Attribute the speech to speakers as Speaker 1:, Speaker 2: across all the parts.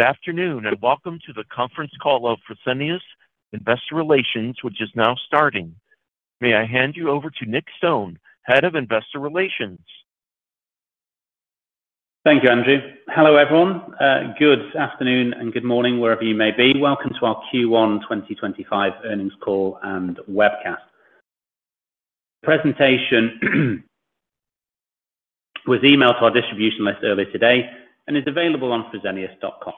Speaker 1: Good afternoon and welcome to the conference call of Fresenius Investor Relations, which is now starting. May I hand you over to Nick Stone, Head of Investor Relations?
Speaker 2: Thank you, Andre. Hello, everyone. Good afternoon and good morning, wherever you may be. Welcome to our Q1 2025 earnings call and webcast. The presentation was emailed to our distribution list earlier today and is available on Fresenius.com.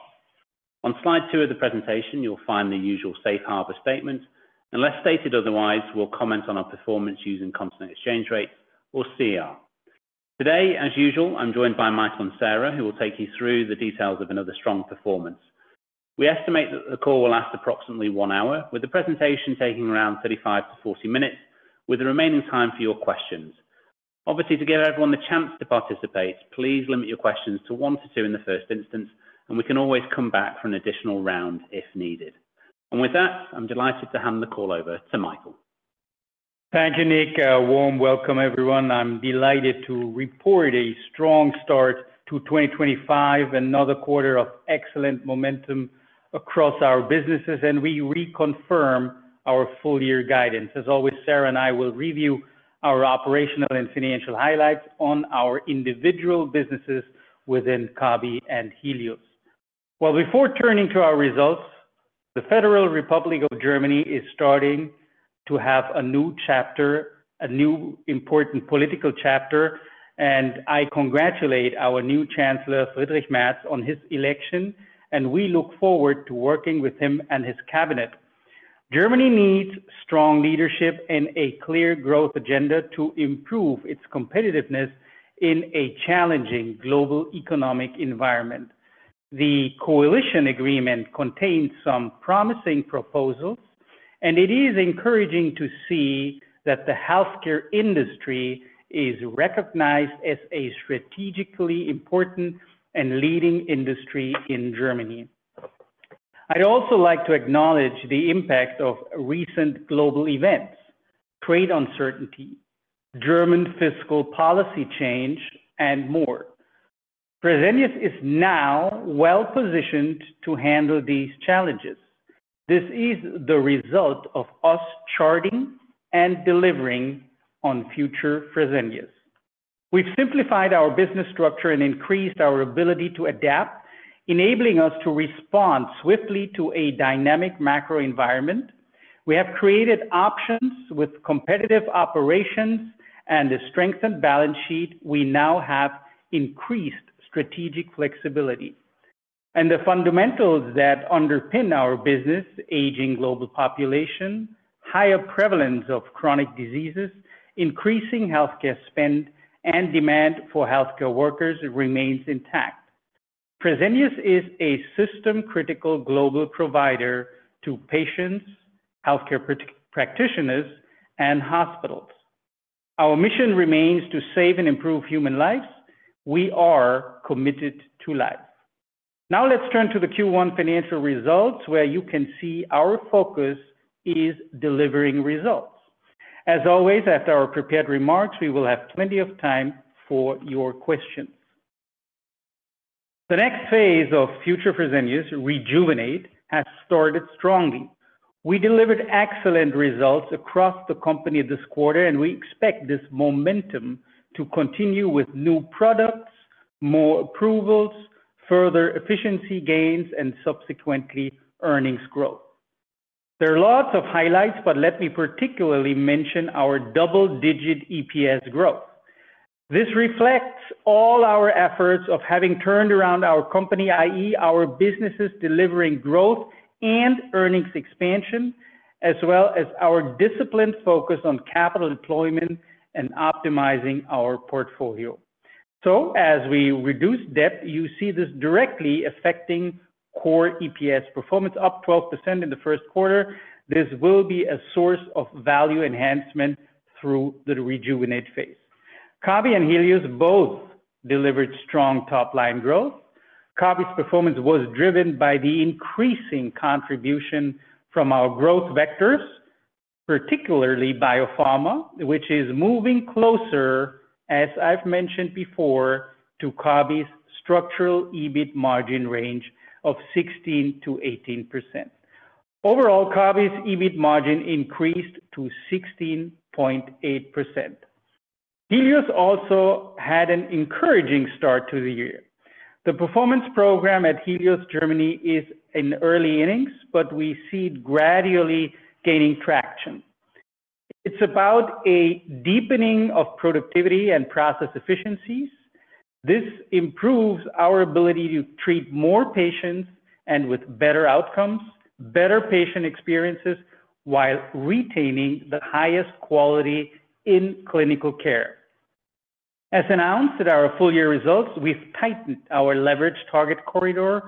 Speaker 2: On slide two of the presentation, you'll find the usual safe harbor statement, and unless stated otherwise, we'll comment on our performance using constant exchange rates or CER. Today, as usual, I'm joined by Michael and Sarah, who will take you through the details of another strong performance. We estimate that the call will last approximately one hour, with the presentation taking around 35-40 minutes, with the remaining time for your questions. Obviously, to give everyone the chance to participate, please limit your questions to one to two in the first instance, and we can always come back for an additional round if needed. With that, I'm delighted to hand the call over to Michael.
Speaker 3: Thank you, Nick. A warm welcome, everyone. I'm delighted to report a strong start to 2025, another quarter of excellent momentum across our businesses, and we reconfirm our full-year guidance. As always, Sarah and I will review our operational and financial highlights on our individual businesses within CABI and Helios. Before turning to our results, the Federal Republic of Germany is starting to have a new chapter, a new important political chapter, and I congratulate our new Chancellor, Friedrich Merz, on his election, and we look forward to working with him and his cabinet. Germany needs strong leadership and a clear growth agenda to improve its competitiveness in a challenging global economic environment. The coalition agreement contains some promising proposals, and it is encouraging to see that the healthcare industry is recognized as a strategically important and leading industry in Germany. I'd also like to acknowledge the impact of recent global events, trade uncertainty, German fiscal policy change, and more. Fresenius is now well-positioned to handle these challenges. This is the result of us charting and delivering on future Fresenius. We've simplified our business structure and increased our ability to adapt, enabling us to respond swiftly to a dynamic macro environment. We have created options with competitive operations and a strengthened balance sheet. We now have increased strategic flexibility and the fundamentals that underpin our business: aging global population, higher prevalence of chronic diseases, increasing healthcare spend, and demand for healthcare workers remains intact. Fresenius is a system-critical global provider to patients, healthcare practitioners, and hospitals. Our mission remains to save and improve human lives. We are committed to lives. Now let's turn to the Q1 financial results, where you can see our focus is delivering results. As always, after our prepared remarks, we will have plenty of time for your questions. The next phase of future Fresenius, Rejuvenate, has started strongly. We delivered excellent results across the company this quarter, and we expect this momentum to continue with new products, more approvals, further efficiency gains, and subsequently earnings growth. There are lots of highlights, but let me particularly mention our double-digit EPS growth. This reflects all our efforts of having turned around our company, i.e., our businesses delivering growth and earnings expansion, as well as our disciplined focus on capital deployment and optimizing our portfolio. As we reduce debt, you see this directly affecting core EPS performance, up 12% in the first quarter. This will be a source of value enhancement through the Rejuvenate phase. CABI and Helios both delivered strong top-line growth. CABI's performance was driven by the increasing contribution from our growth vectors, particularly biopharma, which is moving closer, as I've mentioned before, to CABI's structural EBIT margin range of 16%-18%. Overall, CABI's EBIT margin increased to 16.8%. Helios also had an encouraging start to the year. The performance program at Helios Germany is in early innings, but we see it gradually gaining traction. It's about a deepening of productivity and process efficiencies. This improves our ability to treat more patients and with better outcomes, better patient experiences, while retaining the highest quality in clinical care. As announced at our full-year results, we've tightened our leverage target corridor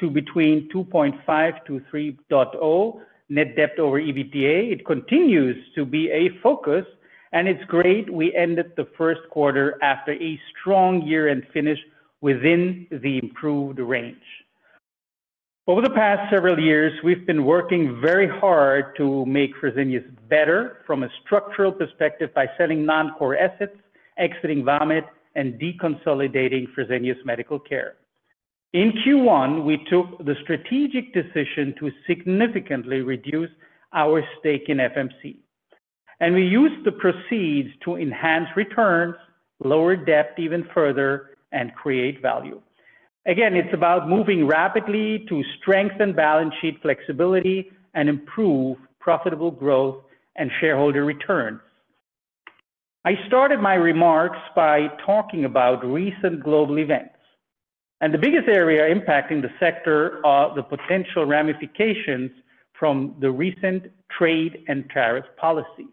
Speaker 3: to between 2.5-3.0 net debt over EBITDA. It continues to be a focus, and it's great we ended the first quarter after a strong year and finished within the improved range. Over the past several years, we've been working very hard to make Fresenius better from a structural perspective by selling non-core assets, exiting Vamed, and deconsolidating Fresenius Medical Care. In Q1, we took the strategic decision to significantly reduce our stake in FMC, and we used the proceeds to enhance returns, lower debt even further, and create value. Again, it's about moving rapidly to strengthen balance sheet flexibility and improve profitable growth and shareholder returns. I started my remarks by talking about recent global events, and the biggest area impacting the sector are the potential ramifications from the recent trade and tariff policies.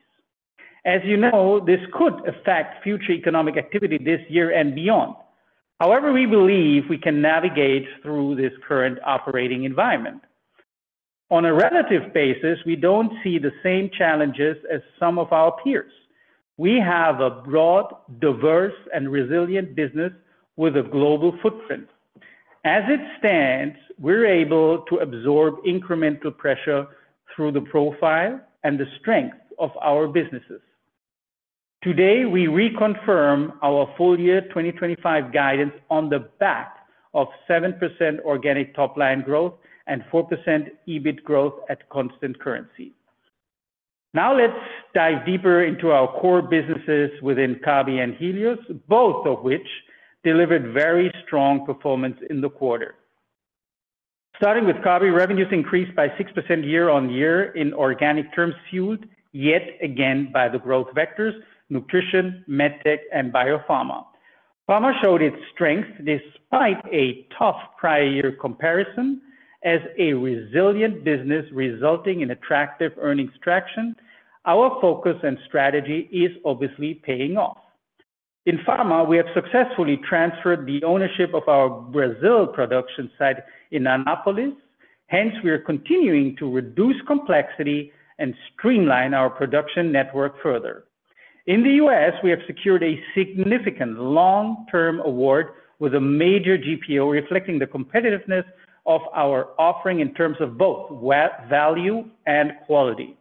Speaker 3: As you know, this could affect future economic activity this year and beyond. However, we believe we can navigate through this current operating environment. On a relative basis, we don't see the same challenges as some of our peers. We have a broad, diverse, and resilient business with a global footprint. As it stands, we're able to absorb incremental pressure through the profile and the strength of our businesses. Today, we reconfirm our full-year 2025 guidance on the back of 7% organic top-line growth and 4% EBIT growth at constant currency. Now let's dive deeper into our core businesses within CABI and Helios, both of which delivered very strong performance in the quarter. Starting with CABI, revenues increased by 6% year on year in organic terms fueled yet again by the growth vectors: nutrition, medtech, and biopharma. Pharma showed its strength despite a tough prior year comparison. As a resilient business resulting in attractive earnings traction, our focus and strategy is obviously paying off. In pharma, we have successfully transferred the ownership of our Brazil production site in Anápolis. Hence, we are continuing to reduce complexity and streamline our production network further. In the U.S., we have secured a significant long-term award with a major GPO reflecting the competitiveness of our offering in terms of both value and quality.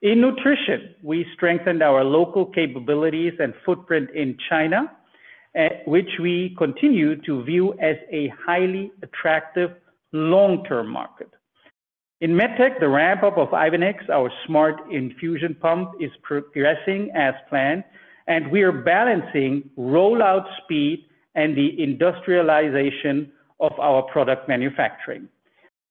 Speaker 3: In nutrition, we strengthened our local capabilities and footprint in China, which we continue to view as a highly attractive long-term market. In medtech, the ramp-up of Ivenex, our smart infusion pump, is progressing as planned, and we are balancing rollout speed and the industrialization of our product manufacturing.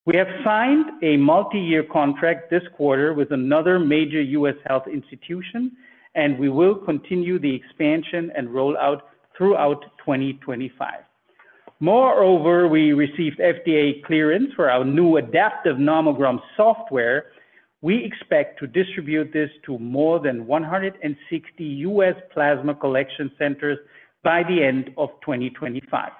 Speaker 3: We have signed a multi-year contract this quarter with another major U.S. health institution, and we will continue the expansion and rollout throughout 2025. Moreover, we received FDA clearance for our new adaptive nomogram software. We expect to distribute this to more than 160 U.S. plasma collection centers by the end of 2025.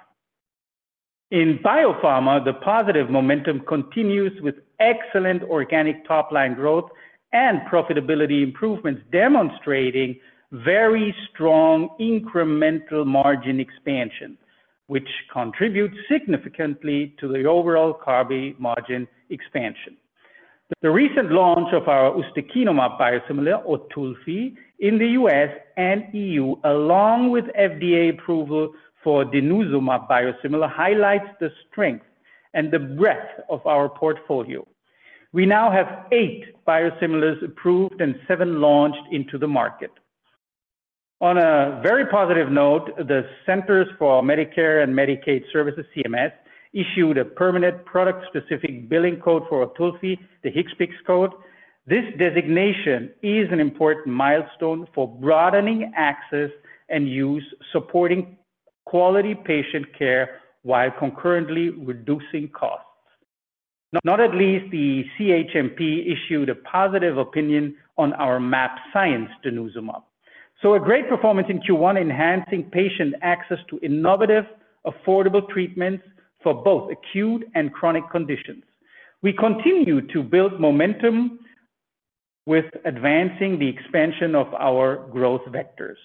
Speaker 3: In biopharma, the positive momentum continues with excellent organic top-line growth and profitability improvements, demonstrating very strong incremental margin expansion, which contributes significantly to the overall CABI margin expansion. The recent launch of our Ustekinumab biosimilar, Otulfi, in the U.S. and, along with FDA approval for Denosumab biosimilar, highlights the strength and the breadth of our portfolio. We now have eight biosimilars approved and seven launched into the market. On a very positive note, the Centers for Medicare and Medicaid Services, CMS, issued a permanent product-specific billing code for Otulfi, the Hick-Picks code. This designation is an important milestone for broadening access and use, supporting quality patient care while concurrently reducing costs. Not at least the CHMP issued a positive opinion on our MAP Science Denosumab. A great performance in Q1, enhancing patient access to innovative, affordable treatments for both acute and chronic conditions. We continue to build momentum with advancing the expansion of our growth vectors.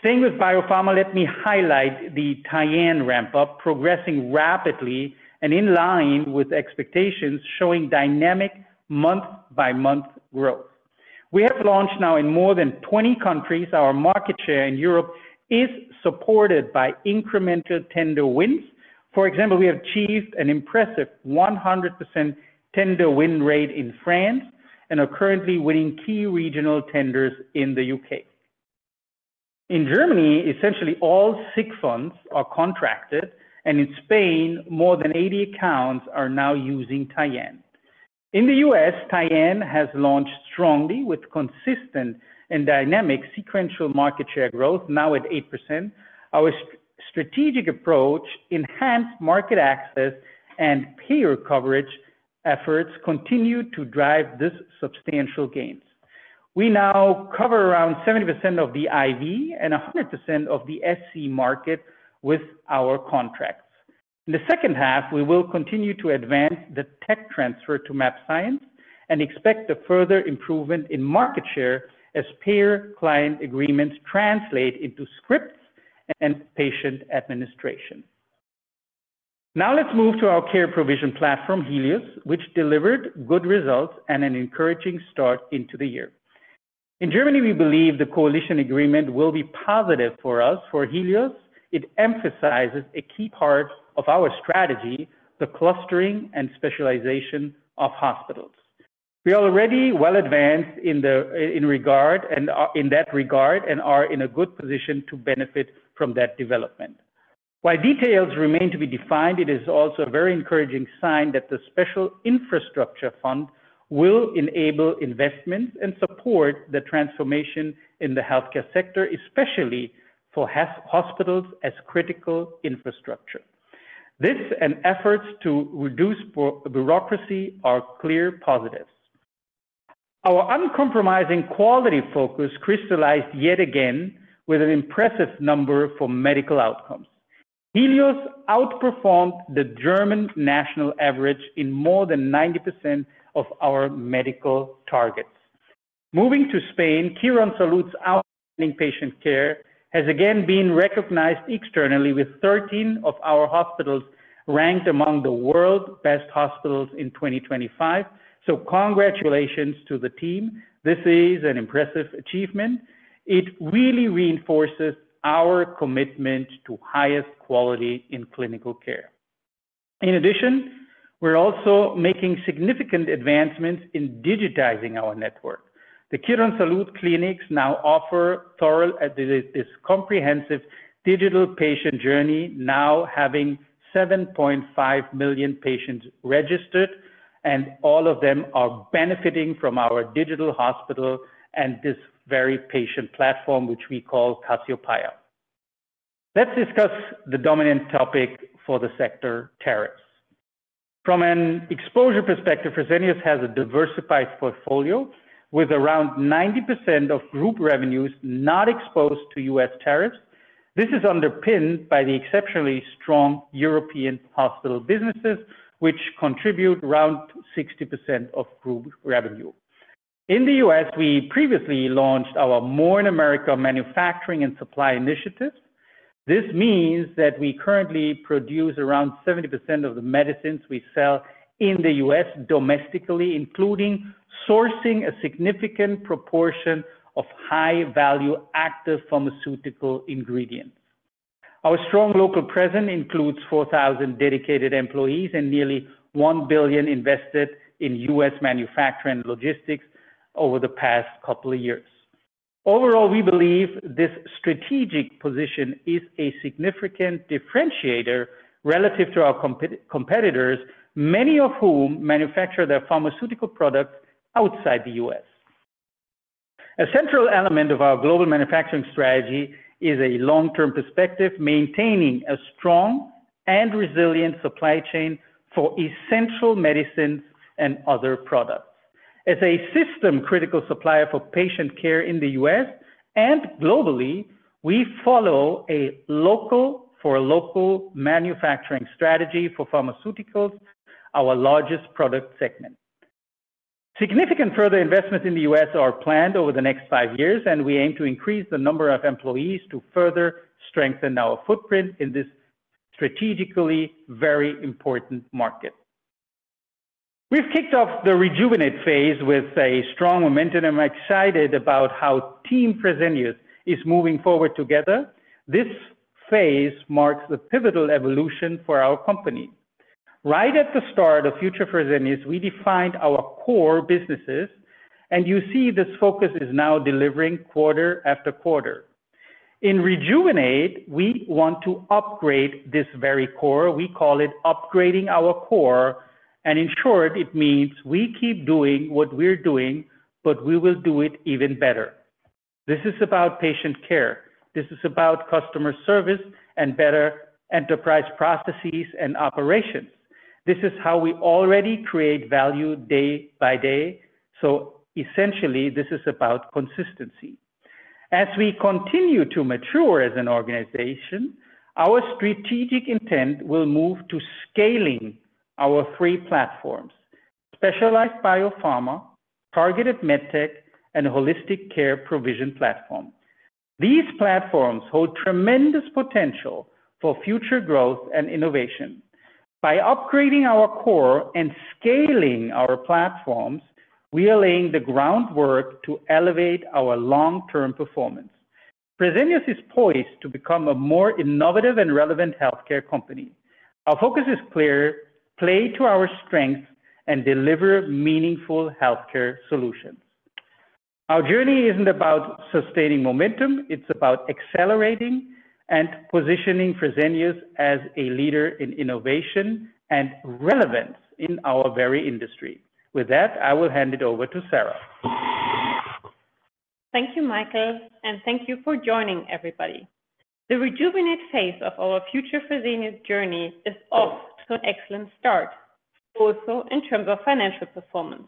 Speaker 3: Staying with biopharma, let me highlight the Tyenne ramp-up, progressing rapidly and in line with expectations, showing dynamic month-by-month growth. We have launched now in more than 20 countries. Our market share in Europe is supported by incremental tender wins. For example, we have achieved an impressive 100% tender win rate in France and are currently winning key regional tenders in the U.K. In Germany, essentially all SIG funds are contracted, and in Spain, more than 80 accounts are now using Tyenne. In the U.S., Tyenne has launched strongly with consistent and dynamic sequential market share growth, now at 8%. Our strategic approach, enhanced market access, and payer coverage efforts continue to drive these substantial gains. We now cover around 70% of the IV and 100% of the SC market with our contracts. In the second half, we will continue to advance the tech transfer to MAP Science and expect a further improvement in market share as payer-client agreements translate into scripts and patient administration. Now let's move to our care provision platform, Helios, which delivered good results and an encouraging start into the year. In Germany, we believe the coalition agreement will be positive for us. For Helios, it emphasizes a key part of our strategy, the clustering and specialization of hospitals. We are already well advanced in that regard and are in a good position to benefit from that development. While details remain to be defined, it is also a very encouraging sign that the Special Infrastructure Fund will enable investments and support the transformation in the healthcare sector, especially for hospitals as critical infrastructure. This and efforts to reduce bureaucracy are clear positives. Our uncompromising quality focus crystallized yet again with an impressive number for medical outcomes. Helios outperformed the German national average in more than 90% of our medical targets. Moving to Spain, Quirónsalud's outstanding patient care has again been recognized externally, with 13 of our hospitals ranked among the world's best hospitals in 2025. Congratulations to the team. This is an impressive achievement. It really reinforces our commitment to highest quality in clinical care. In addition, we're also making significant advancements in digitizing our network. The Quirónsalud clinics now offer [inaudible] as this comprehensive digital patient journey, now having 7.5 million patients registered, and all of them are benefiting from our digital hospital and this very patient platform, which we call Casiopea. Let's discuss the dominant topic for the sector, tariffs. From an exposure perspective, Fresenius has a diversified portfolio with around 90% of group revenues not exposed to U.S. tariffs. This is underpinned by the exceptionally strong European hospital businesses, which contribute around 60% of group revenue. In the U.S., we previously launched our More in America manufacturing and supply initiative. This means that we currently produce around 70% of the medicines we sell in the U.S. domestically, including sourcing a significant proportion of high-value active pharmaceutical ingredients. Our strong local presence includes 4,000 dedicated employees and nearly U.S.D 1 billion invested in U.S. manufacturing and logistics over the past couple of years. Overall, we believe this strategic position is a significant differentiator relative to our competitors, many of whom manufacture their pharmaceutical products outside the U.S.. A central element of our global manufacturing strategy is a long-term perspective, maintaining a strong and resilient supply chain for essential medicines and other products. As a system-critical supplier for patient care in the U.S. and globally, we follow a local-for-local manufacturing strategy for pharmaceuticals, our largest product segment. Significant further investments in the U.S. are planned over the next five years, and we aim to increase the number of employees to further strengthen our footprint in this strategically very important market. We've kicked off the rejuvenate phase with a strong momentum, and I'm excited about how Team Fresenius is moving forward together. This phase marks a pivotal evolution for our company. Right at the start of Future Fresenius, we defined our core businesses, and you see this focus is now delivering quarter after quarter. In Rejuvenate, we want to upgrade this very core. We call it upgrading our core, and in short, it means we keep doing what we're doing, but we will do it even better. This is about patient care. This is about customer service and better enterprise processes and operations. This is how we already create value day by day. Essentially, this is about consistency. As we continue to mature as an organization, our strategic intent will move to scaling our three platforms: specialized biopharma, targeted medtech, and holistic care provision platform. These platforms hold tremendous potential for future growth and innovation. By upgrading our core and scaling our platforms, we are laying the groundwork to elevate our long-term performance. Fresenius is poised to become a more innovative and relevant healthcare company. Our focus is clear: play to our strengths and deliver meaningful healthcare solutions. Our journey isn't about sustaining momentum; it's about accelerating and positioning Fresenius as a leader in innovation and relevance in our very industry. With that, I will hand it over to Sara.
Speaker 4: Thank you, Michael, and thank you for joining, everybody. The rejuvenate phase of our Future Fresenius journey is off to an excellent start, also in terms of financial performance.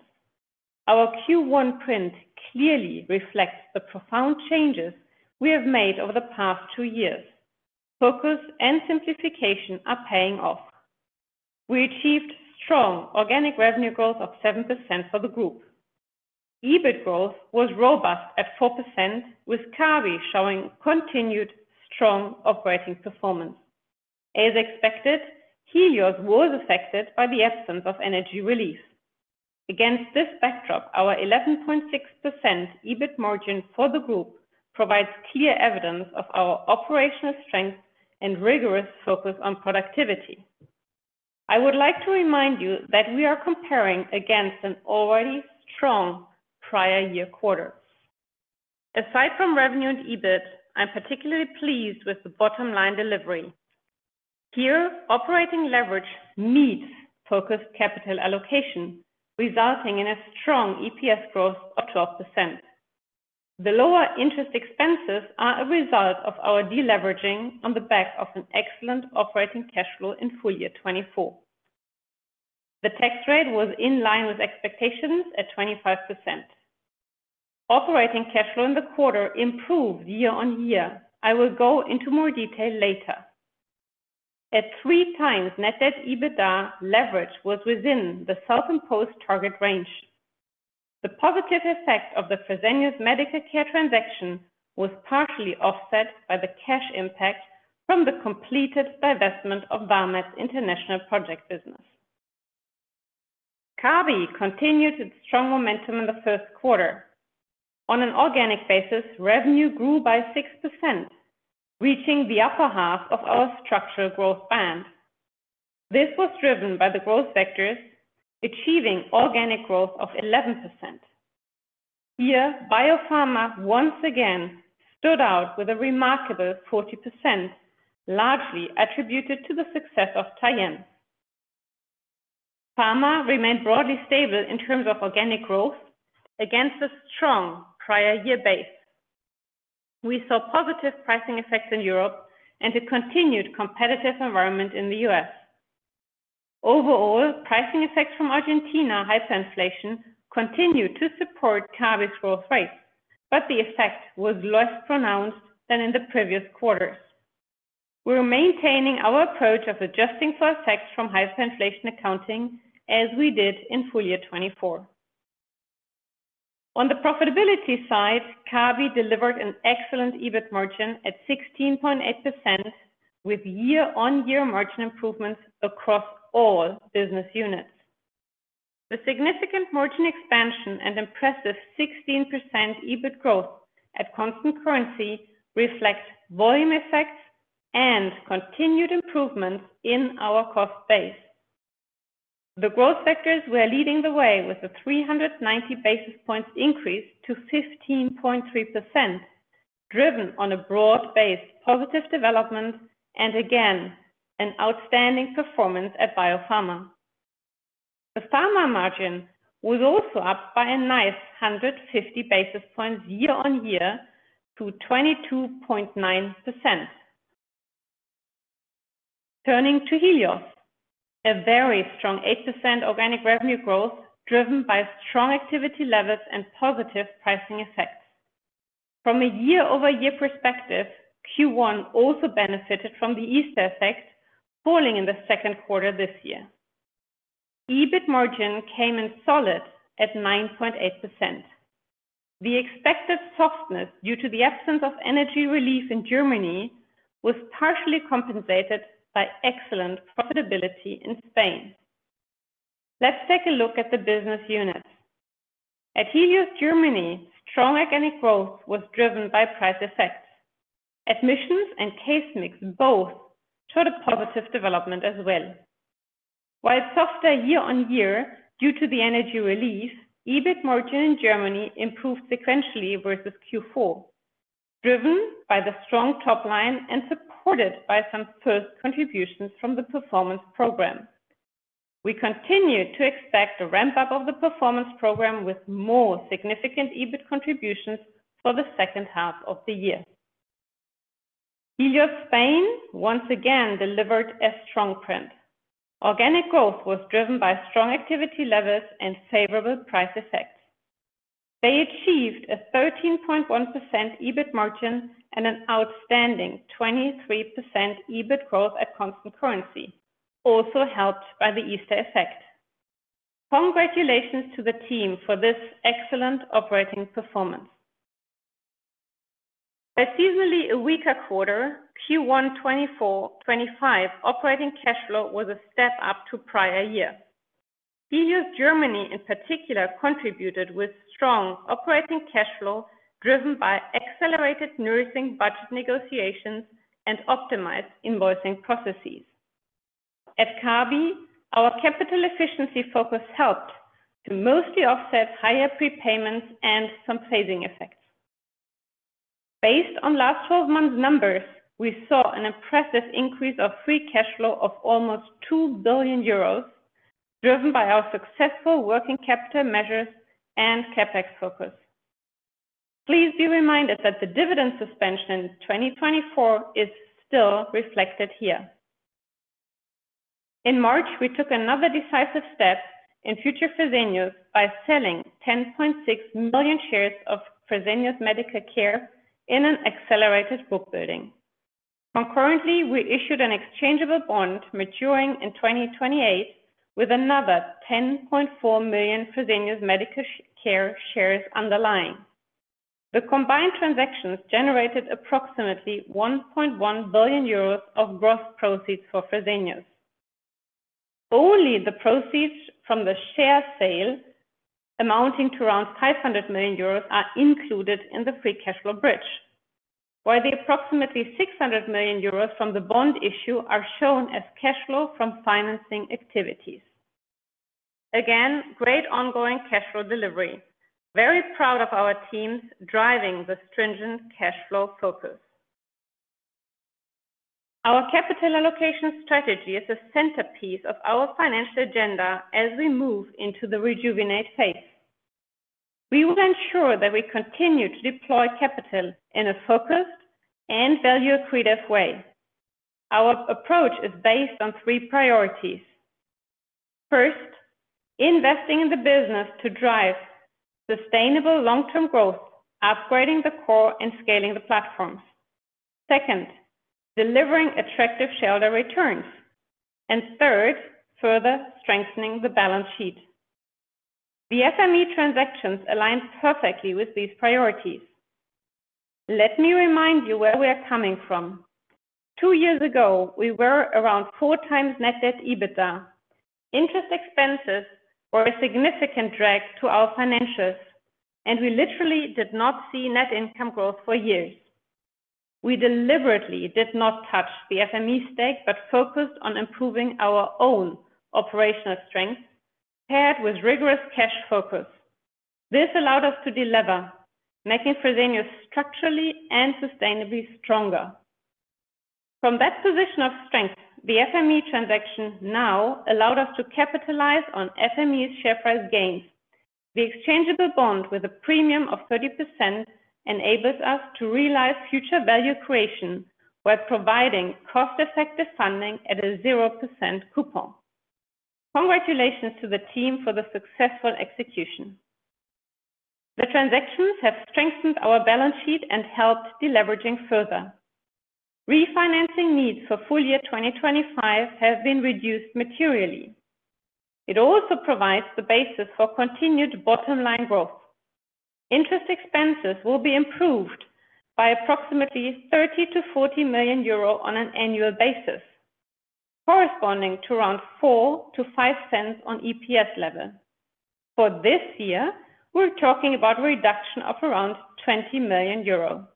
Speaker 4: Our Q1 print clearly reflects the profound changes we have made over the past two years. Focus and simplification are paying off. We achieved strong organic revenue growth of 7% for the group. EBIT growth was robust at 4%, with CABI showing continued strong operating performance. As expected, Helios was affected by the absence of energy release. Against this backdrop, our 11.6% EBIT margin for the group provides clear evidence of our operational strength and rigorous focus on productivity. I would like to remind you that we are comparing against an already strong prior year quarter. Aside from revenue and EBIT, I'm particularly pleased with the bottom-line delivery. Here, operating leverage meets focused capital allocation, resulting in a strong EPS growth of 12%. The lower interest expenses are a result of our deleveraging on the back of an excellent operating cash flow in full year 2024. The tax rate was in line with expectations at 25%. Operating cash flow in the quarter improved year on year. I will go into more detail later. At three times, net debt to EBITDA leverage was within the self-imposed target range. The positive effect of the Fresenius Medical Care transaction was partially offset by the cash impact from the completed divestment of Vamed's international project business. CABI continued its strong momentum in the first quarter. On an organic basis, revenue grew by 6%, reaching the upper half of our structural growth band. This was driven by the growth vectors, achieving organic growth of 11%. Here, biopharma once again stood out with a remarkable 40%, largely attributed to the success of Tyenne. Pharma remained broadly stable in terms of organic growth against a strong prior year base. We saw positive pricing effects in Europe and a continued competitive environment in the U.S.. Overall, pricing effects from Argentina hyperinflation continued to support Kabi's growth rate, but the effect was less pronounced than in the previous quarters. We're maintaining our approach of adjusting for effects from hyperinflation accounting as we did in full year 2024. On the profitability side, Kabi delivered an excellent EBIT margin at 16.8%, with year-on-year margin improvements across all business units. The significant margin expansion and impressive 16% EBIT growth at constant currency reflect volume effects and continued improvements in our cost base. The growth vectors were leading the way with a 390 basis points increase to 15.3%, driven on a broad-based positive development and, again, an outstanding performance at biopharma. The pharma margin was also up by a nice 150 basis points year on year to 22.9%. Turning to Helios, a very strong 8% organic revenue growth driven by strong activity levels and positive pricing effects. From a year-over-year perspective, Q1 also benefited from the Easter effect, falling in the second quarter this year. EBIT margin came in solid at 9.8%. The expected softness due to the absence of energy relief in Germany was partially compensated by excellent profitability in Spain. Let's take a look at the business units. At Helios Germany, strong organic growth was driven by price effects. Admissions and case mix both showed a positive development as well. While softer year on year due to the energy relief, EBIT margin in Germany improved sequentially versus Q4, driven by the strong top line and supported by some first contributions from the performance program. We continue to expect a ramp-up of the performance program with more significant EBIT contributions for the second half of the year. Helios Spain once again delivered a strong print. Organic growth was driven by strong activity levels and favorable price effects. They achieved a 13.1% EBIT margin and an outstanding 23% EBIT growth at constant currency, also helped by the Easter effect. Congratulations to the team for this excellent operating performance. By seasonally a weaker quarter, Q1 2024-2025 operating cash flow was a step up to prior year. Helios Germany, in particular, contributed with strong operating cash flow driven by accelerated nursing budget negotiations and optimized invoicing processes. At CABI, our capital efficiency focus helped to mostly offset higher prepayments and some phasing effects. Based on last 12 months' numbers, we saw an impressive increase of free cash flow of almost 2 billion euros, driven by our successful working capital measures and CapEx focus. Please be reminded that the dividend suspension in 2024 is still reflected here. In March, we took another decisive step in Future Fresenius by selling 10.6 million shares of Fresenius Medical Care in an accelerated book building. Concurrently, we issued an exchangeable bond maturing in 2028 with another 10.4 million Fresenius Medical Care shares underlying. The combined transactions generated approximately 1.1 billion euros of gross proceeds for Fresenius. Only the proceeds from the share sale amounting to around 500 million euros are included in the free cash flow bridge, while the approximately 600 million euros from the bond issue are shown as cash flow from financing activities. Again, great ongoing cash flow delivery. Very proud of our teams driving the stringent cash flow focus. Our capital allocation strategy is a centerpiece of our financial agenda as we move into the rejuvenate phase. We will ensure that we continue to deploy capital in a focused and value accretive way. Our approach is based on three priorities. First, investing in the business to drive sustainable long-term growth, upgrading the core and scaling the platforms. Second, delivering attractive shareholder returns. Third, further strengthening the balance sheet. The FME transactions align perfectly with these priorities. Let me remind you where we are coming from. Two years ago, we were around four times net debt EBITDA. Interest expenses were a significant drag to our financials, and we literally did not see net income growth for years. We deliberately did not touch the FME stake but focused on improving our own operational strength paired with rigorous cash focus. This allowed us to deliver, making Fresenius structurally and sustainably stronger. From that position of strength, the FME transaction now allowed us to capitalize on FME's share price gains. The exchangeable bond with a premium of 30% enables us to realize future value creation while providing cost-effective funding at a 0% coupon. Congratulations to the team for the successful execution. The transactions have strengthened our balance sheet and helped deleveraging further. Refinancing needs for full year 2025 have been reduced materially. It also provides the basis for continued bottom-line growth. Interest expenses will be improved by approximately 30 million-40 million euro on an annual basis, corresponding to around 4-5 cents on EPS level. For this year, we're talking about a reduction of around 20 million euro.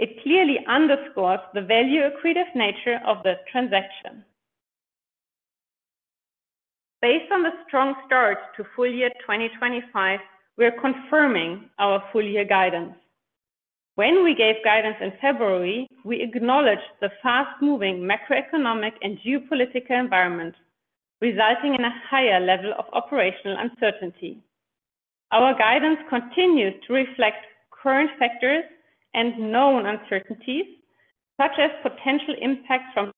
Speaker 4: It clearly underscores the value accretive nature of the transaction. Based on the strong start to full year 2025, we're confirming our full year guidance. When we gave guidance in February, we acknowledged the fast-moving macroeconomic and geopolitical environment, resulting in a higher level of operational uncertainty. Our guidance continues to reflect current factors and known uncertainties, such as potential impacts from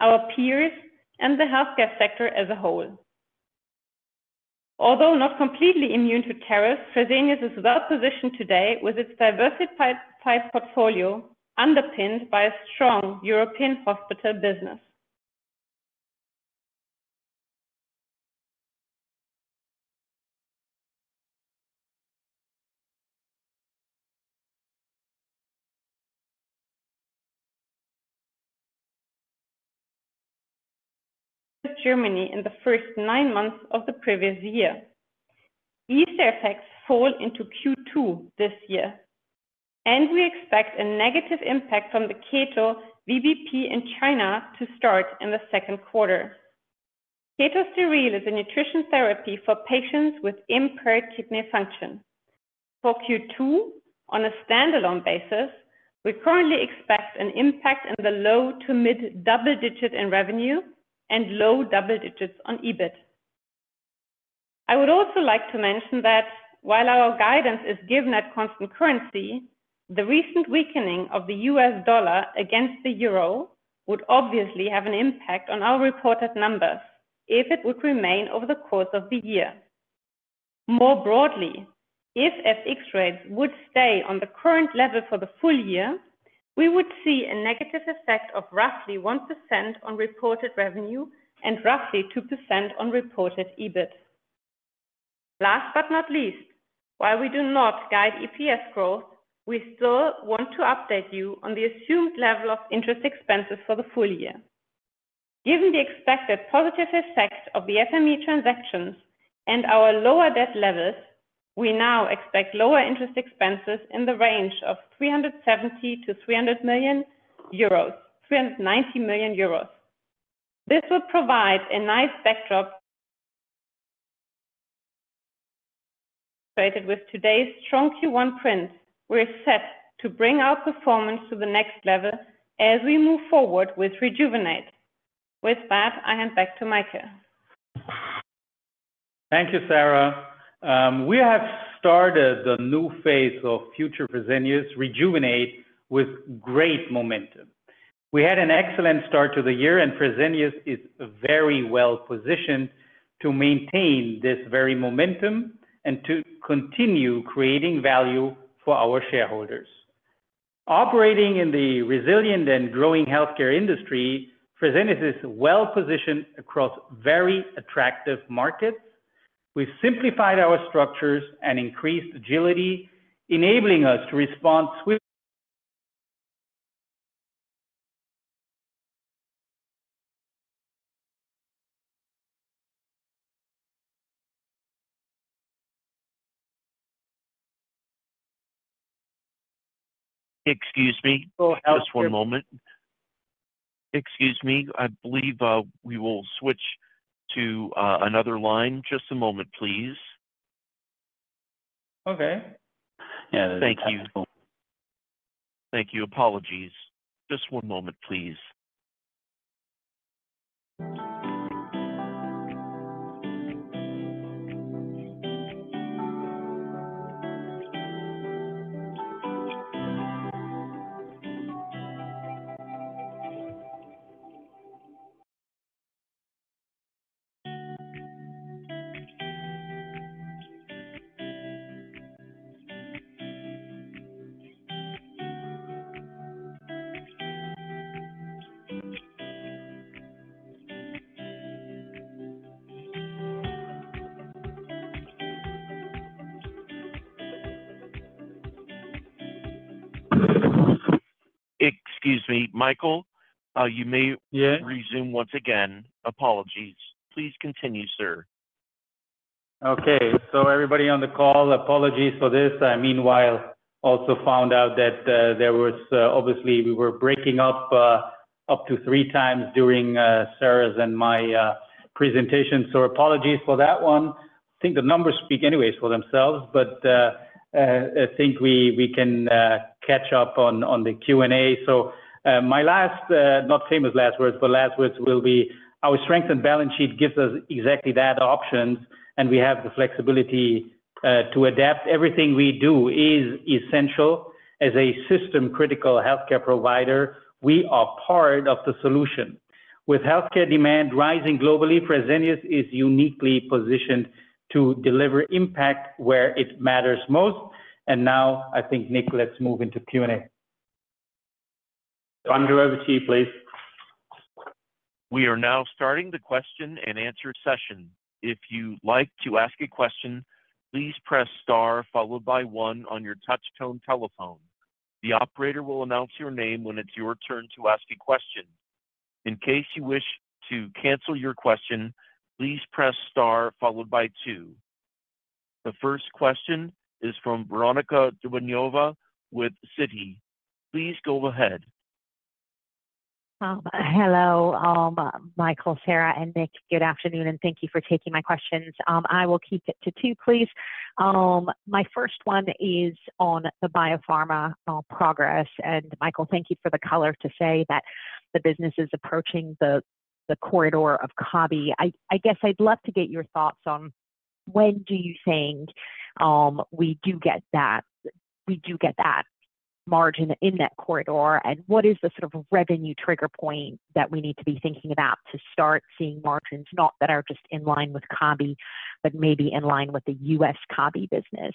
Speaker 4: our peers and the healthcare sector as a whole. Although not completely immune to tariffs, Fresenius is well positioned today with its diversified portfolio underpinned by a strong European hospital business. Germany in the first nine months of the previous year. Easter effects fall into Q2 this year, and we expect a negative impact from the Keto VBP in China to start in the second quarter. Keto Sterile is a nutrition therapy for patients with impaired kidney function. For Q2, on a standalone basis, we currently expect an impact in the low to mid double digit in revenue and low double digits on EBIT. I would also like to mention that while our guidance is given at constant currency, the recent weakening of the U.S. dollar against the euro would obviously have an impact on our reported numbers if it would remain over the course of the year. More broadly, if FX rates would stay on the current level for the full year, we would see a negative effect of roughly 1% on reported revenue and roughly 2% on reported EBIT. Last but not least, while we do not guide EPS growth, we still want to update you on the assumed level of interest expenses for the full year. Given the expected positive effect of the FME transactions and our lower debt levels, we now expect lower interest expenses in the range of 370 million-390 million euros. This will provide a nice backdrop with today's strong Q1 print. We are set to bring our performance to the next level as we move forward with rejuvenate. With that, I hand back to Michael.
Speaker 3: Thank you, Sarah. We have started the new phase of Future Fresenius rejuvenate with great momentum. We had an excellent start to the year, and Fresenius is very well positioned to maintain this very momentum and to continue creating value for our shareholders. Operating in the resilient and growing healthcare industry, Fresenius is well positioned across very attractive markets. We've simplified our structures and increased agility, enabling us to respond swiftly.
Speaker 1: Excuse me. Just one moment. Excuse me. I believe we will switch to another line. Just a moment, please. Okay. Yeah, thank you. Thank you. Apologies. Just one moment, please. Excuse me, Michael, you may resume once again. Apologies. Please continue, sir.
Speaker 3: Okay. Everybody on the call, apologies for this. I mean, while also found out that there was obviously we were breaking up up to three times during Sarah's and my presentation. Apologies for that one. I think the numbers speak anyways for themselves, but I think we can catch up on the Q&A. My last, not famous last words, but last words will be our strength and balance sheet gives us exactly that options, and we have the flexibility to adapt. Everything we do is essential. As a system-critical healthcare provider, we are part of the solution. With healthcare demand rising globally, Fresenius is uniquely positioned to deliver impact where it matters most. I think, Nick, let's move into Q&A.
Speaker 2: Andrea, over to you, please.
Speaker 1: We are now starting the question and answer session. If you'd like to ask a question, please press star followed by one on your touch-tone telephone. The operator will announce your name when it's your turn to ask a question. In case you wish to cancel your question, please press star followed by two. The first question is from Veronika Dubajova with Citi. Please go ahead.
Speaker 5: Hello, Michael, Sarah, and Nick. Good afternoon, and thank you for taking my questions. I will keep it to two, please. My first one is on the biopharma progress. Michael, thank you for the color to say that the business is approaching the corridor of CABI. I guess I'd love to get your thoughts on when do you think we do get that margin in that corridor, and what is the sort of revenue trigger point that we need to be thinking about to start seeing margins not that are just in line with CABI, but maybe in line with the U.S. CABI business.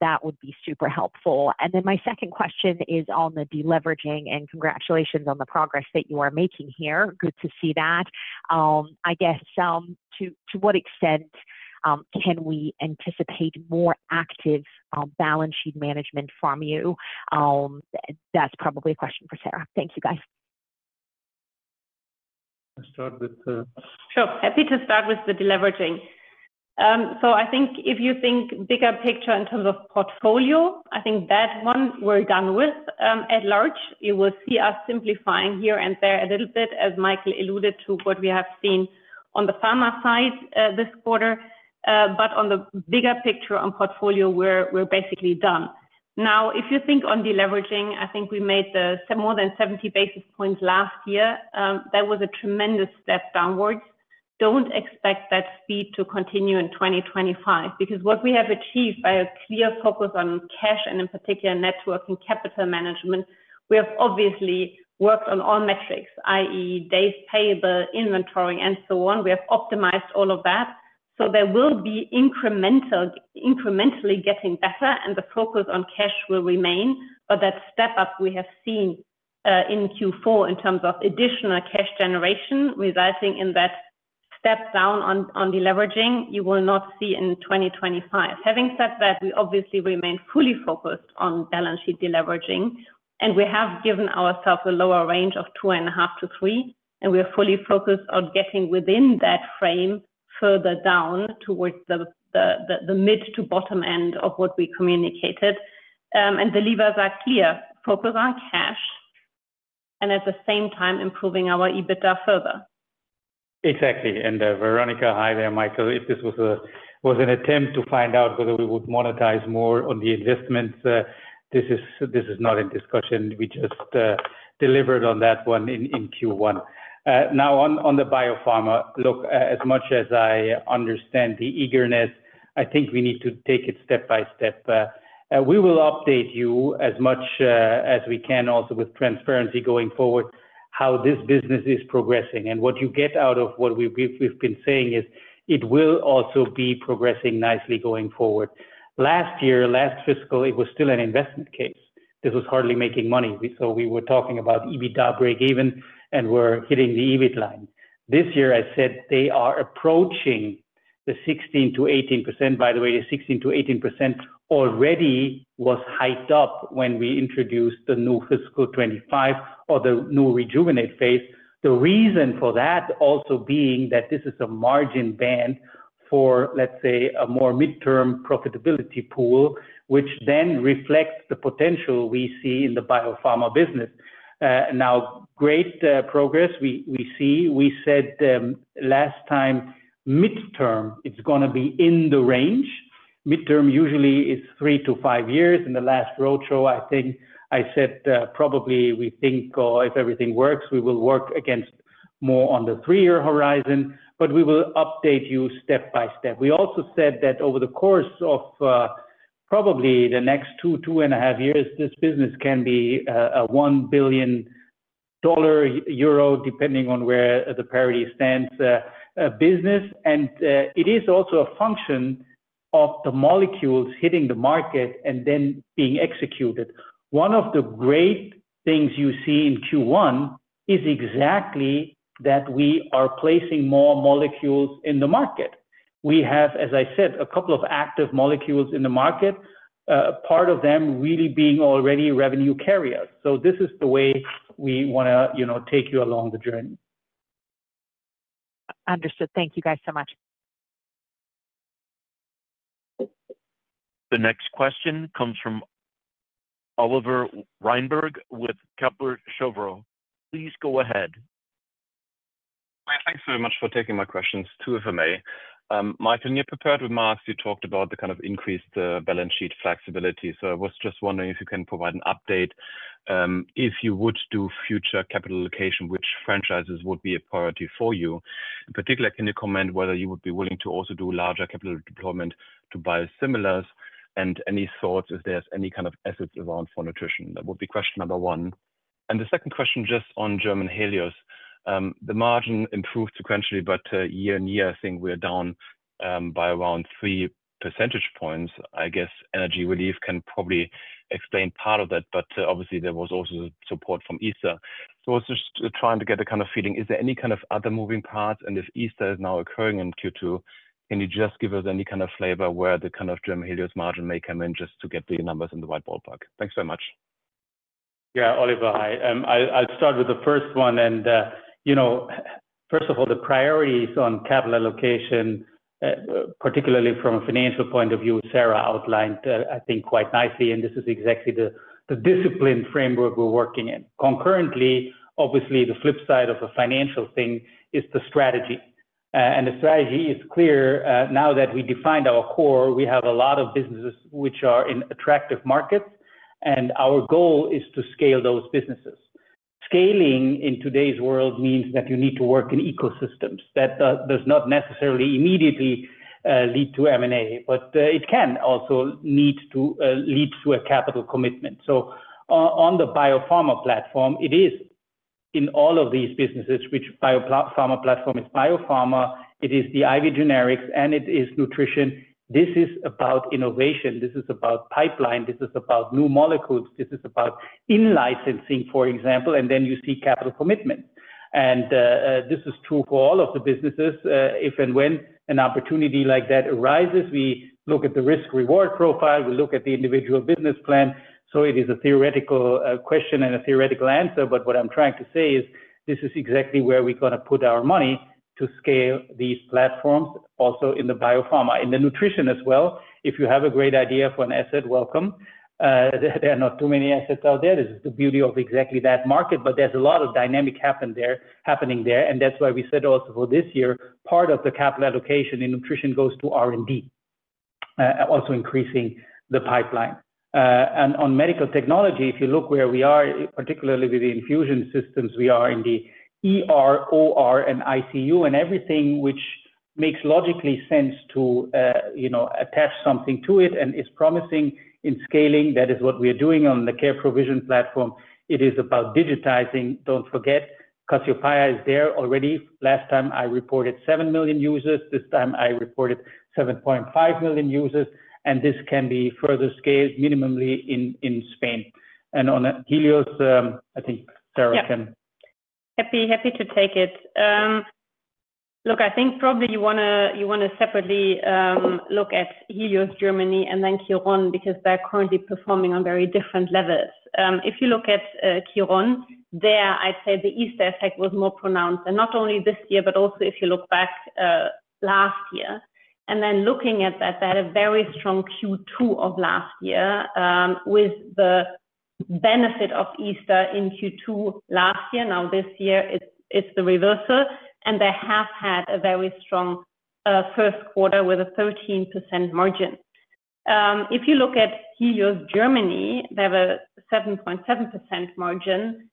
Speaker 5: That would be super helpful. My second question is on the deleveraging, and congratulations on the progress that you are making here. Good to see that. I guess to what extent can we anticipate more active balance sheet management from you? That's probably a question for Sarah. Thank you, guys.
Speaker 4: Let's start with the. Sure. Happy to start with the deleveraging. I think if you think bigger picture in terms of portfolio, I think that one we're done with at large. You will see us simplifying here and there a little bit, as Michael alluded to, what we have seen on the pharma side this quarter. On the bigger picture on portfolio, we're basically done. Now, if you think on deleveraging, I think we made more than 70 basis points last year. That was a tremendous step downwards. Do not expect that speed to continue in 2025 because what we have achieved by a clear focus on cash and, in particular, networking capital management, we have obviously worked on all metrics, i.e., days payable, inventory, and so on. We have optimized all of that. There will be incrementally getting better, and the focus on cash will remain. That step up we have seen in Q4 in terms of additional cash generation resulting in that step down on deleveraging, you will not see in 2025. Having said that, we obviously remain fully focused on balance sheet deleveraging, and we have given ourselves a lower range of 2.5-3. We are fully focused on getting within that frame further down towards the mid to bottom end of what we communicated. The levers are clear: focus on cash and, at the same time, improving our EBITDA further.
Speaker 3: Exactly. Veronika, hi there, Michael. If this was an attempt to find out whether we would monetize more on the investments, this is not in discussion. We just delivered on that one in Q1. Now, on the biopharma, look, as much as I understand the eagerness, I think we need to take it step by step. We will update you as much as we can also with transparency going forward how this business is progressing. What you get out of what we've been saying is it will also be progressing nicely going forward. Last year, last fiscal, it was still an investment case. This was hardly making money. We were talking about EBITDA breakeven, and we're hitting the EBIT line. This year, I said they are approaching the 16-18%. By the way, the 16-18% already was hyped up when we introduced the new fiscal 2025 or the new rejuvenate phase. The reason for that also being that this is a margin band for, let's say, a more midterm profitability pool, which then reflects the potential we see in the biopharma business. Now, great progress we see. We said last time, midterm, it's going to be in the range. Midterm usually is three to five years. In the last roadshow, I think I said probably we think if everything works, we will work against more on the three-year horizon, but we will update you step by step. We also said that over the course of probably the next two, two and a half years, this business can be a $1 billion, EUR 1 billion, depending on where the parity stands business. And it is also a function of the molecules hitting the market and then being executed. One of the great things you see in Q1 is exactly that we are placing more molecules in the market. We have, as I said, a couple of active molecules in the market, part of them really being already revenue carriers. This is the way we want to take you along the journey.
Speaker 5: Understood. Thank you guys so much.
Speaker 1: The next question comes from Oliver Reinberg with Kepler Cheuvreux. Please go ahead.
Speaker 6: Thanks very much for taking my questions, two of them, Michael. In your prepared remarks, you talked about the kind of increased balance sheet flexibility. I was just wondering if you can provide an update if you would do future capital allocation, which franchises would be a priority for you. In particular, can you comment whether you would be willing to also do larger capital deployment to biosimilars and any thoughts if there's any kind of assets around for nutrition? That would be question number one. The second question just on German Helios. The margin improved sequentially, but year in year, I think we're down by around three percentage points. I guess energy relief can probably explain part of that, but obviously, there was also support from Easter. I was just trying to get a kind of feeling. Is there any kind of other moving parts? If Easter is now occurring in Q2, can you just give us any kind of flavor where the kind of German Helios margin may come in just to get the numbers in the white ballpark? Thanks very much.
Speaker 3: Yeah, Oliver, hi. I'll start with the first one. First of all, the priorities on capital allocation, particularly from a financial point of view, Sarah outlined, I think, quite nicely. This is exactly the discipline framework we're working in. Concurrently, obviously, the flip side of a financial thing is the strategy. The strategy is clear. Now that we defined our core, we have a lot of businesses which are in attractive markets, and our goal is to scale those businesses. Scaling in today's world means that you need to work in ecosystems. That does not necessarily immediately lead to M&A, but it can also need to lead to a capital commitment. On the biopharma platform, it is in all of these businesses, which biopharma platform is biopharma, it is the IV generics, and it is nutrition. This is about innovation. This is about pipeline. This is about new molecules. This is about in-licensing, for example, and then you see capital commitments. This is true for all of the businesses. If and when an opportunity like that arises, we look at the risk-reward profile. We look at the individual business plan. It is a theoretical question and a theoretical answer. What I'm trying to say is this is exactly where we're going to put our money to scale these platforms, also in the biopharma. In the nutrition as well, if you have a great idea for an asset, welcome. There are not too many assets out there. This is the beauty of exactly that market, but there's a lot of dynamic happening there. That is why we said also for this year, part of the capital allocation in nutrition goes to R&D, also increasing the pipeline. On medical technology, if you look where we are, particularly with the infusion systems, we are in the ER, OR, and ICU, and everything which makes logically sense to attach something to it and is promising in scaling. That is what we are doing on the care provision platform. It is about digitizing. Do not forget, Casiopea is there already. Last time, I reported 7 million users. This time, I reported 7.5 million users. This can be further scaled minimally in Spain. On Helios, I think Sarah can.
Speaker 4: Happy to take it. Look, I think probably you want to separately look at Helios Germany and then Kiron because they are currently performing on very different levels. If you look at Kiron, there, I would say the Easter effect was more pronounced. Not only this year, but also if you look back last year. Looking at that, they had a very strong Q2 of last year with the benefit of Easter in Q2 last year. Now, this year, it's the reversal. They have had a very strong first quarter with a 13% margin. If you look at Helios Germany, they have a 7.7% margin.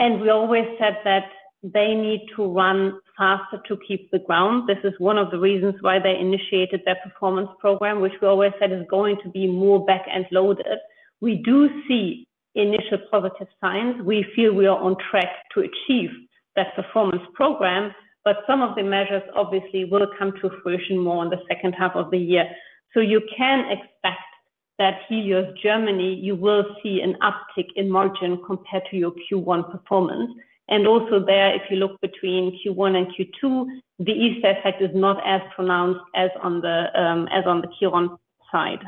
Speaker 4: We always said that they need to run faster to keep the ground. This is one of the reasons why they initiated their performance program, which we always said is going to be more back-end loaded. We do see initial positive signs. We feel we are on track to achieve that performance program, but some of the measures obviously will come to fruition more in the second half of the year. You can expect that Helios Germany, you will see an uptick in margin compared to your Q1 performance. Also there, if you look between Q1 and Q2, the Easter effect is not as pronounced as on the Kiron side.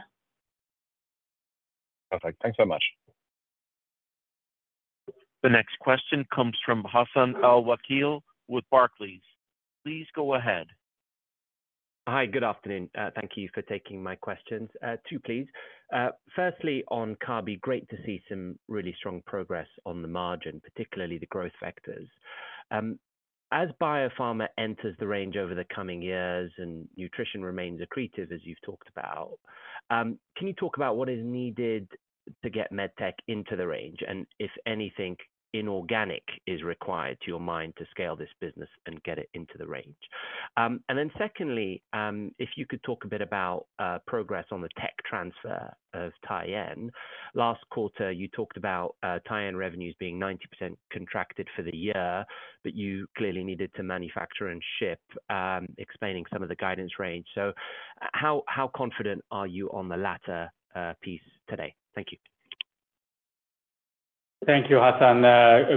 Speaker 6: Perfect. Thanks very much.
Speaker 1: The next question comes from Hassan Al-Wakeel with Barclays. Please go ahead.
Speaker 7: Hi, good afternoon. Thank you for taking my questions. Two, please. Firstly, on Kabi, great to see some really strong progress on the margin, particularly the growth factors. As biopharma enters the range over the coming years and nutrition remains accretive, as you've talked about, can you talk about what is needed to get MedTech into the range? And if anything, inorganic is required to your mind to scale this business and get it into the range. Secondly, if you could talk a bit about progress on the tech transfer of Tyenne. Last quarter, you talked about Tyenne revenues being 90% contracted for the year, but you clearly needed to manufacture and ship, explaining some of the guidance range. How confident are you on the latter piece today? Thank you.
Speaker 3: Thank you, Hassan.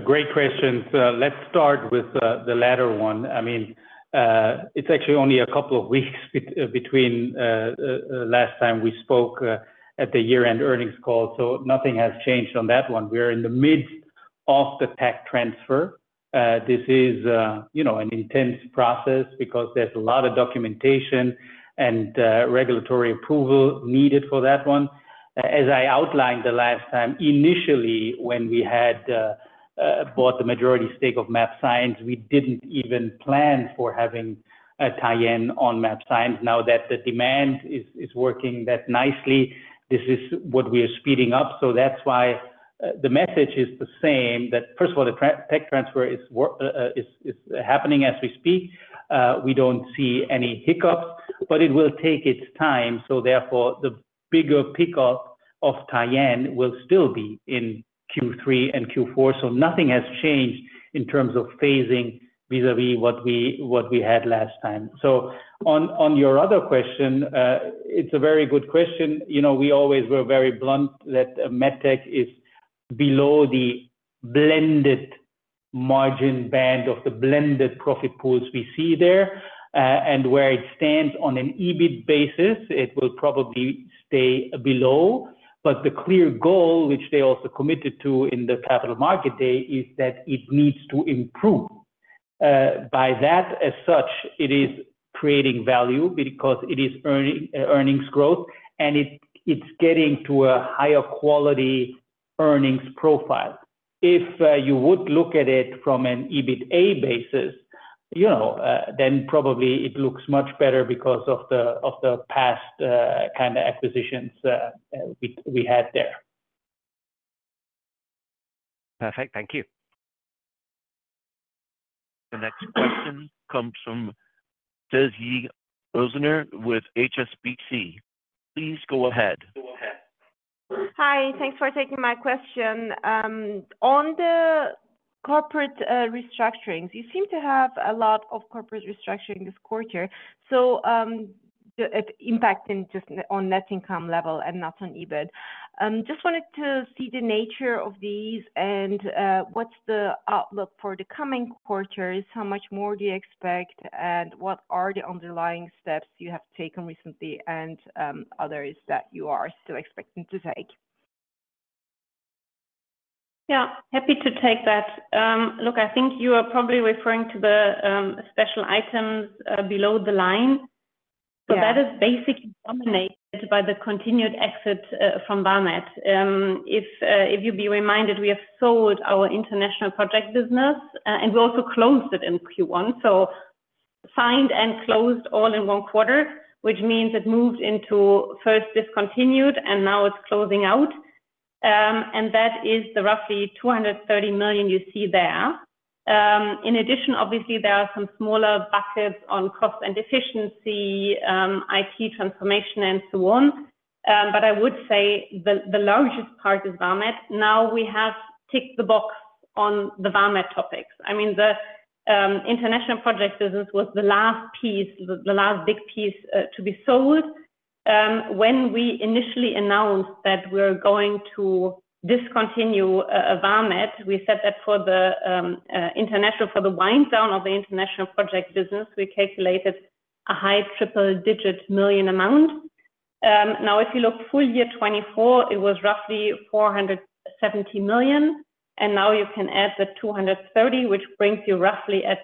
Speaker 3: Great questions. Let's start with the latter one. I mean, it's actually only a couple of weeks between last time we spoke at the year-end earnings call, so nothing has changed on that one. We are in the midst of the tech transfer. This is an intense process because there's a lot of documentation and regulatory approval needed for that one. As I outlined the last time, initially, when we had bought the majority stake of MAP Science, we didn't even plan for having Tyenne on MAP Science. Now that the demand is working that nicely, this is what we are speeding up. That is why the message is the same, that first of all, the tech transfer is happening as we speak. We do not see any hiccups, but it will take its time. Therefore, the bigger pickup of Tyenne will still be in Q3 and Q4. Nothing has changed in terms of phasing vis-à-vis what we had last time. On your other question, it is a very good question. We always were very blunt that MedTech is below the blended margin band of the blended profit pools we see there. Where it stands on an EBIT basis, it will probably stay below. The clear goal, which they also committed to in the capital market day, is that it needs to improve. By that as such, it is creating value because it is earnings growth, and it is getting to a higher quality earnings profile. If you would look at it from an EBITA basis, then probably it looks much better because of the past kind of acquisitions we had there.
Speaker 7: Perfect. Thank you.
Speaker 1: The next question comes from Sezgi Ozener with HSBC. Please go ahead.
Speaker 8: Hi. Thanks for taking my question. On the corporate restructurings, you seem to have a lot of corporate restructuring this quarter. Impacting just on net income level and not on EBIT. Just wanted to see the nature of these and what's the outlook for the coming quarters, how much more do you expect, and what are the underlying steps you have taken recently and others that you are still expecting to take?
Speaker 4: Yeah. Happy to take that. Look, I think you are probably referring to the special items below the line. That is basically dominated by the continued exit from Vamed. If you'd be reminded, we have sold our international project business, and we also closed it in Q1. Signed and closed all in one quarter, which means it moved into first discontinued, and now it's closing out. That is the roughly 230 million you see there. In addition, obviously, there are some smaller buckets on cost and efficiency, IT transformation, and so on. I would say the largest part is Vamed. Now we have ticked the box on the Vamed topics. I mean, the international project business was the last piece, the last big piece to be sold. When we initially announced that we were going to discontinue Vamed, we said that for the international, for the wind down of the international project business, we calculated a high triple-digit million amount. Now, if you look full year 2024, it was roughly 470 million. Now you can add the 230, which brings you roughly at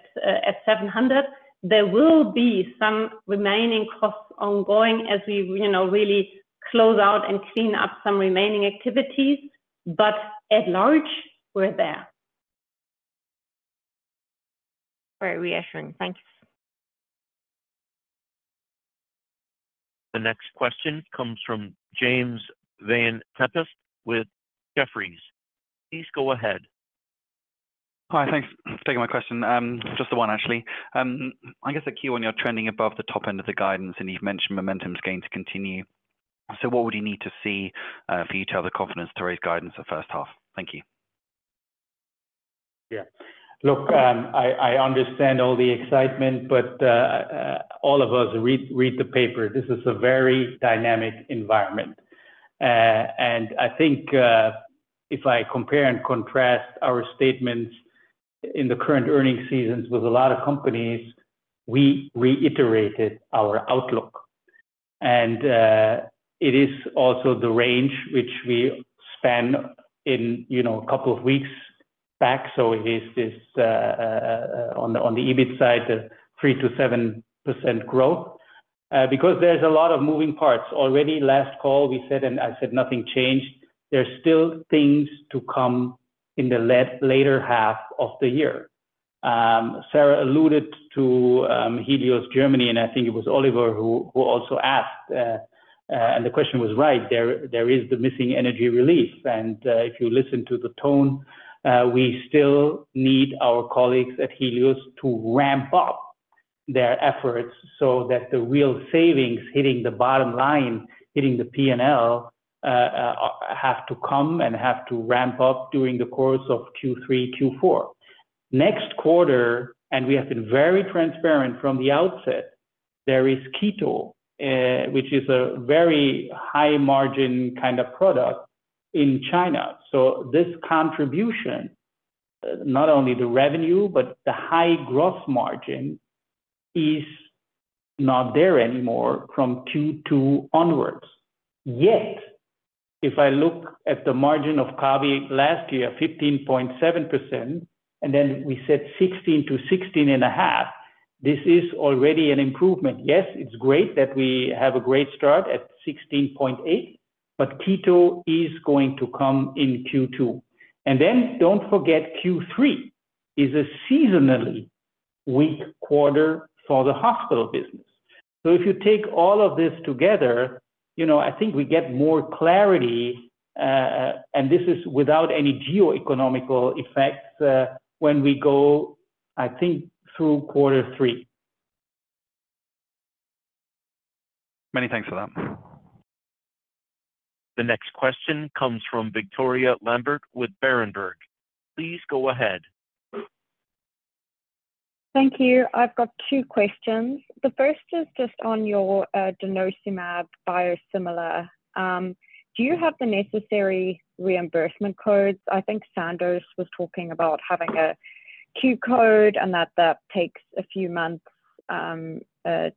Speaker 4: 700. There will be some remaining costs ongoing as we really close out and clean up some remaining activities. At large, we're there.
Speaker 8: Very reassuring. Thanks.
Speaker 1: The next question comes from James Vane-Tempest with Jefferies. Please go ahead.
Speaker 9: Hi. Thanks for taking my question. Just the one, actually. I guess at Q1, you're trending above the top end of the guidance, and you've mentioned momentum is going to continue. What would you need to see for you to have the confidence to raise guidance the first half? Thank you.
Speaker 3: Yeah. Look, I understand all the excitement, but all of us read the paper. This is a very dynamic environment. I think if I compare and contrast our statements in the current earnings seasons with a lot of companies, we reiterated our outlook. It is also the range which we span in a couple of weeks back. It is this on the EBIT side, 3-7% growth. There is a lot of moving parts. Already last call, we said, and I said nothing changed. There is still things to come in the later half of the year. Sarah alluded to Helios Germany, and I think it was Oliver who also asked. The question was right. There is the missing energy relief. If you listen to the tone, we still need our colleagues at Helios to ramp up their efforts so that the real savings hitting the bottom line, hitting the P&L, have to come and have to ramp up during the course of Q3, Q4. Next quarter, and we have been very transparent from the outset, there is Keto, which is a very high-margin kind of product in China. This contribution, not only the revenue, but the high gross margin is not there anymore from Q2 onwards. Yet, if I look at the margin of CABI last year, 15.7%, and then we said 16-16.5%, this is already an improvement. Yes, it's great that we have a great start at 16.8%, but Keto is going to come in Q2. Do not forget Q3 is a seasonally weak quarter for the hospital business. If you take all of this together, I think we get more clarity. This is without any geoeconomical effects when we go, I think, through quarter three.
Speaker 9: Many thanks for that.
Speaker 1: The next question comes from Victoria Lambert with Berenberg. Please go ahead.
Speaker 10: Thank you. I've got two questions. The first is just on your Denosumab biosimilar. Do you have the necessary reimbursement codes? I think Sandoz was talking about having a Q code and that that takes a few months to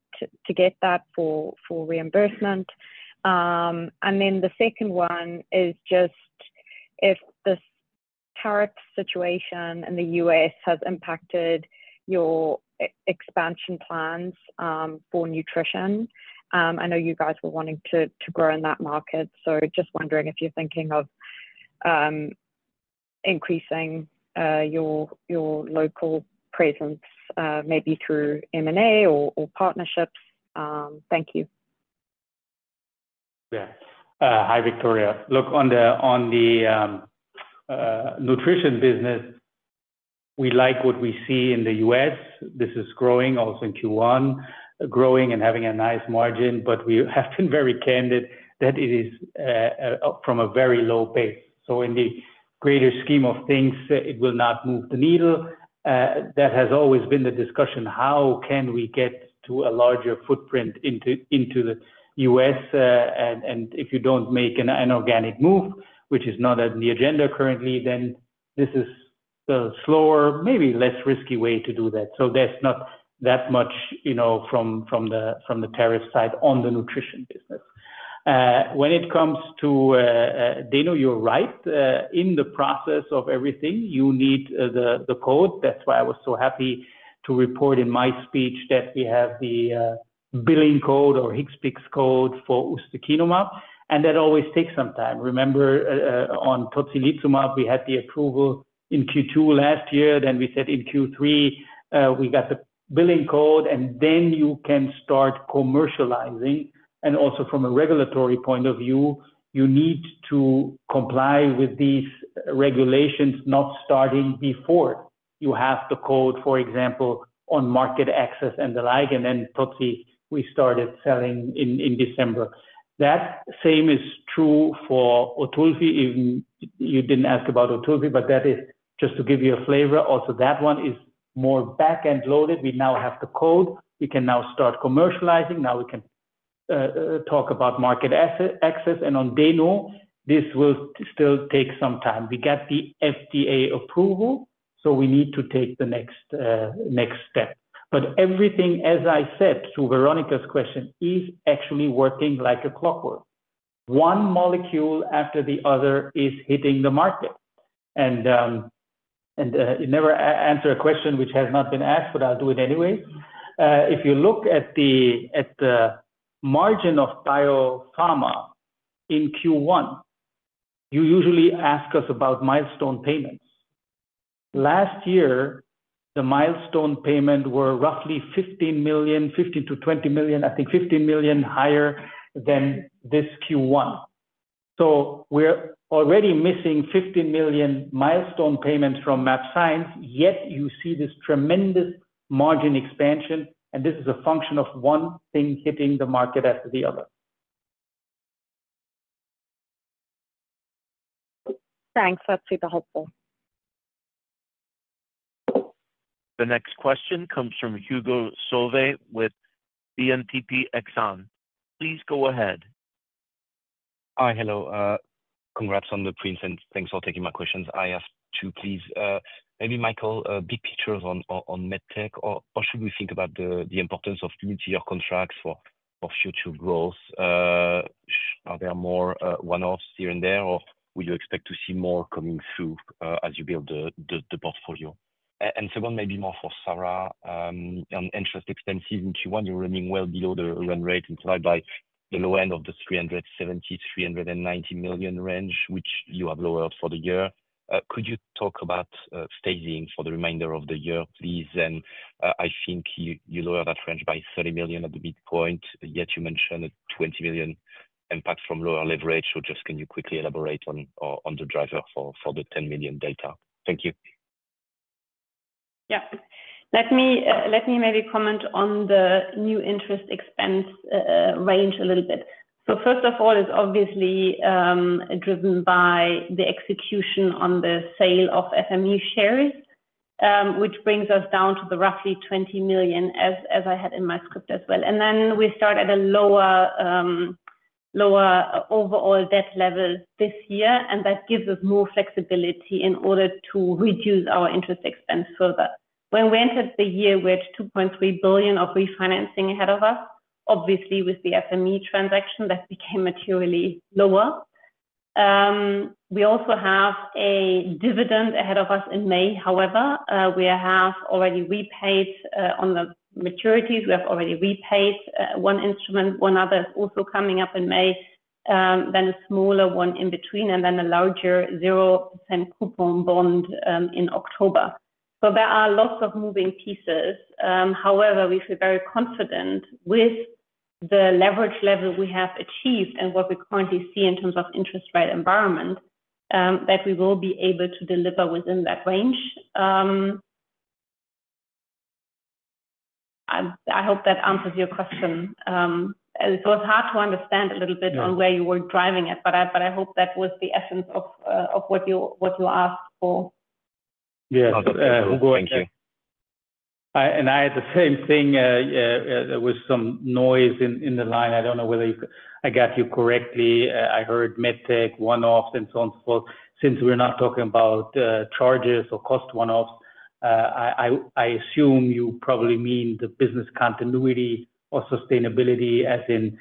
Speaker 10: get that for reimbursement. The second one is just if this tariff situation in the U.S. has impacted your expansion plans for nutrition. I know you guys were wanting to grow in that market. Just wondering if you're thinking of increasing your local presence maybe through M&A or partnerships. Thank you.
Speaker 3: Yeah. Hi, Victoria. Look, on the nutrition business, we like what we see in the U.S.. This is growing also in Q1, growing and having a nice margin, but we have been very candid that it is from a very low base. In the greater scheme of things, it will not move the needle. That has always been the discussion. How can we get to a larger footprint into the U.S.? If you do not make an inorganic move, which is not on the agenda currently, this is the slower, maybe less risky way to do that. There is not that much from the tariff side on the nutrition business. When it comes to Dino, you are right. In the process of everything, you need the code. That is why I was so happy to report in my speech that we have the billing code or HIGSPIX code for Ustekinumab. That always takes some time. Remember, on Tocilizumab, we had the approval in Q2 last year. We said in Q3 we got the billing code, and then you can start commercializing. Also, from a regulatory point of view, you need to comply with these regulations, not starting before you have the code, for example, on market access and the like. Totsi, we started selling in December. That same is true for Otulfi. You did not ask about Otulfi, but that is just to give you a flavor. Also, that one is more back-end loaded. We now have the code. We can now start commercializing. Now we can talk about market access. On Dino, this will still take some time. We got the FDA approval, so we need to take the next step. Everything, as I said to Veronika's question, is actually working like clockwork. One molecule after the other is hitting the market. You never answer a question which has not been asked, but I will do it anyway. If you look at the margin of biopharma in Q1, you usually ask us about milestone payments. Last year, the milestone payment was roughly 15 million, 15-20 million, I think 15 million higher than this Q1. We're already missing 15 million milestone payments from MAP Science, yet you see this tremendous margin expansion. This is a function of one thing hitting the market after the other.
Speaker 10: Thanks. That's super helpful.
Speaker 1: The next question comes from Hugo Solvet with BNPP Exane. Please go ahead.
Speaker 11: Hi. Hello. Congrats on the prints. Thanks for taking my questions. I asked to please maybe, Michael, big pictures on MedTech, or should we think about the importance of multi-year contracts for future growth? Are there more one-offs here and there, or will you expect to see more coming through as you build the portfolio? Second, maybe more for Sarah. On interest expenses in Q1, you're running well below the run rate, inside by the low end of the 370-390 million range, which you have lowered for the year. Could you talk about phasing for the remainder of the year, please? I think you lowered that range by 30 million at the midpoint, yet you mentioned a 20 million impact from lower leverage. Just can you quickly elaborate on the driver for the 10 million delta? Thank you.
Speaker 4: Yeah. Let me maybe comment on the new interest expense range a little bit. First of all, it is obviously driven by the execution on the sale of FME shares, which brings us down to the roughly 20 million, as I had in my script as well. We start at a lower overall debt level this year, and that gives us more flexibility in order to reduce our interest expense further. When we entered the year, we had 2.3 billion of refinancing ahead of us. Obviously, with the FME transaction, that became materially lower. We also have a dividend ahead of us in May. However, we have already repaid on the maturities. We have already repaid one instrument. One other is also coming up in May, then a smaller one in between, and then a larger 0% coupon bond in October. There are lots of moving pieces. However, we feel very confident with the leverage level we have achieved and what we currently see in terms of interest rate environment that we will be able to deliver within that range. I hope that answers your question. It was hard to understand a little bit on where you were driving it, but I hope that was the essence of what you asked for.
Speaker 3: Yes. Hugo, I think. I had the same thing. There was some noise in the line. I do not know whether I got you correctly. I heard MedTech, one-offs, and so on and so forth. Since we're not talking about charges or cost one-offs, I assume you probably mean the business continuity or sustainability as in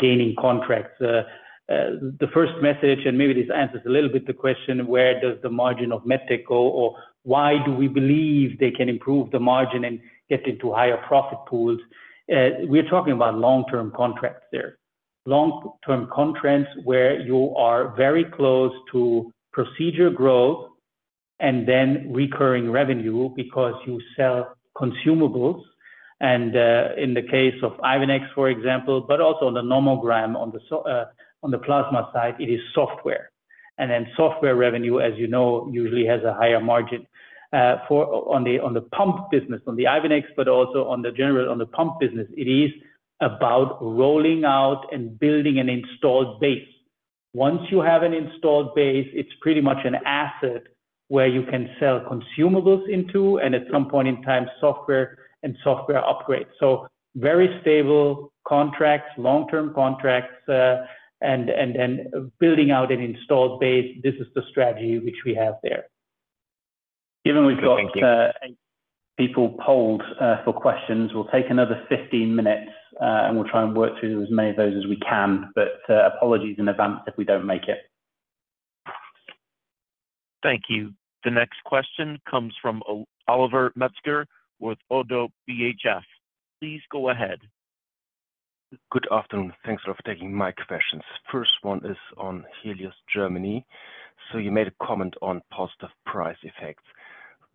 Speaker 3: gaining contracts. The first message, and maybe this answers a little bit the question, where does the margin of MedTech go or why do we believe they can improve the margin and get into higher profit pools? We're talking about long-term contracts there. Long-term contracts where you are very close to procedure growth and then recurring revenue because you sell consumables. And in the case of Ivenex, for example, but also on the Nomogram, on the plasma side, it is software. And then software revenue, as you know, usually has a higher margin. On the pump business, on the Ivenex, but also on the general on the pump business, it is about rolling out and building an installed base. Once you have an installed base, it's pretty much an asset where you can sell consumables into and at some point in time, software and software upgrades. Very stable contracts, long-term contracts, and then building out an installed base. This is the strategy which we have there. Given we've got [corsstalk]
Speaker 2: People polled for questions, we'll take another 15 minutes, and we'll try and work through as many of those as we can. Apologies in advance if we don't make it.
Speaker 1: Thank you. The next question comes from Oliver Metzger with ODDO BHF. Please go ahead.
Speaker 12: Good afternoon. Thanks for taking my questions. First one is on Helios Germany. You made a comment on positive price effects.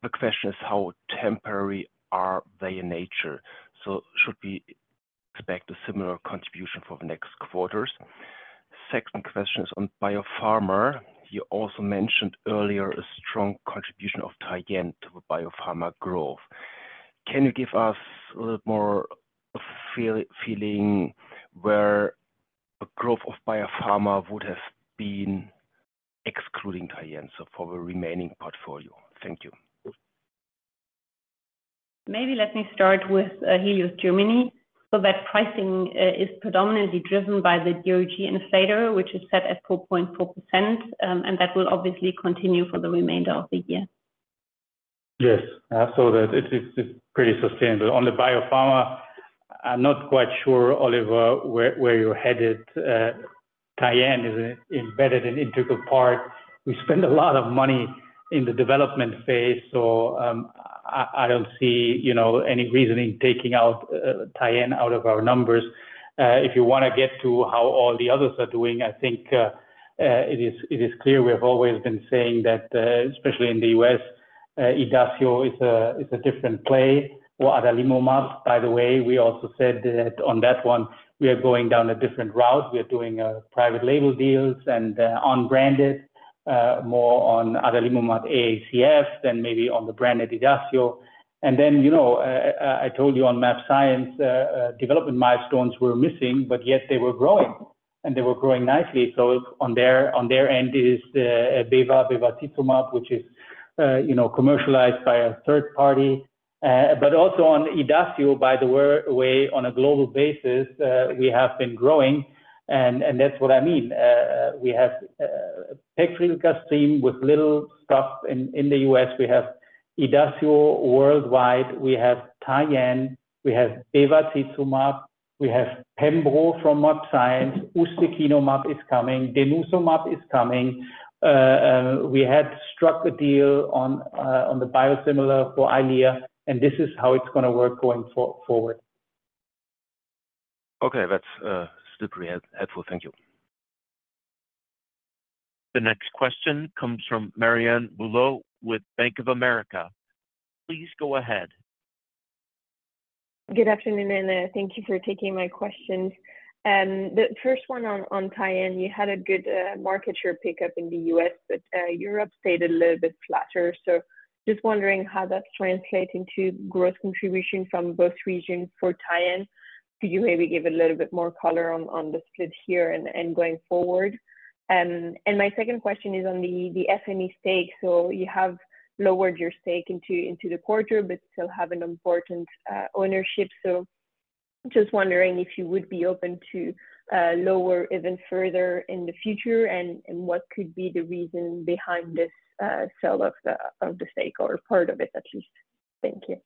Speaker 12: The question is, how temporary are they in nature? Should we expect a similar contribution for the next quarters? Second question is on biopharma. You also mentioned earlier a strong contribution of Tyenne to the biopharma growth. Can you give us a little more feeling where a growth of biopharma would have been excluding Tyenne for the remaining portfolio? Thank you.
Speaker 4: Maybe let me start with Helios Germany. That pricing is predominantly driven by the DRG inflator, which is set at 4.4%, and that will obviously continue for the remainder of the year.
Speaker 3: Yes. It is pretty sustainable. On the biopharma, I'm not quite sure, Oliver, where you're headed. Tyenne is an embedded and integral part. We spend a lot of money in the development phase, so I don't see any reason in taking out Tyenne out of our numbers. If you want to get to how all the others are doing, I think it is clear. We have always been saying that, especially in the U.S., Idacio is a different play. Adalimumab, by the way, we also said that on that one, we are going down a different route. We are doing private label deals and unbranded more on Adalimumab AACF than maybe on the branded Idacio. I told you on MAP Science, development milestones were missing, but yet they were growing, and they were growing nicely. On their end, it is Bevacizumab, which is commercialized by a third party. Also on Idacio, by the way, on a global basis, we have been growing, and that's what I mean. We have Pegfilgrastim with little stuff in the U.S.. We have Idacio worldwide. We have Tyenne. We have Bevacizumab. We have Pembro from MAP Science. Ustekinumab is coming. Denosumab is coming. We had struck a deal on the biosimilar for Eylea, and this is how it's going to work going forward.
Speaker 12: Okay. That's super helpful. Thank you.
Speaker 1: The next question comes from Marianne Bulot with Bank of America. Please go ahead.
Speaker 13: Good afternoon, and thank you for taking my questions. The first one on Tyenne, you had a good market share pickup in the U.S., but Europe stayed a little bit flatter. Just wondering how that's translating to growth contribution from both regions for Tyenne. Could you maybe give a little bit more color on the split here and going forward? My second question is on the FMC stake. You have lowered your stake into the quarter, but still have an important ownership. Just wondering if you would be open to lower even further in the future, and what could be the reason behind this sale of the stake or part of it, at least? Thank you.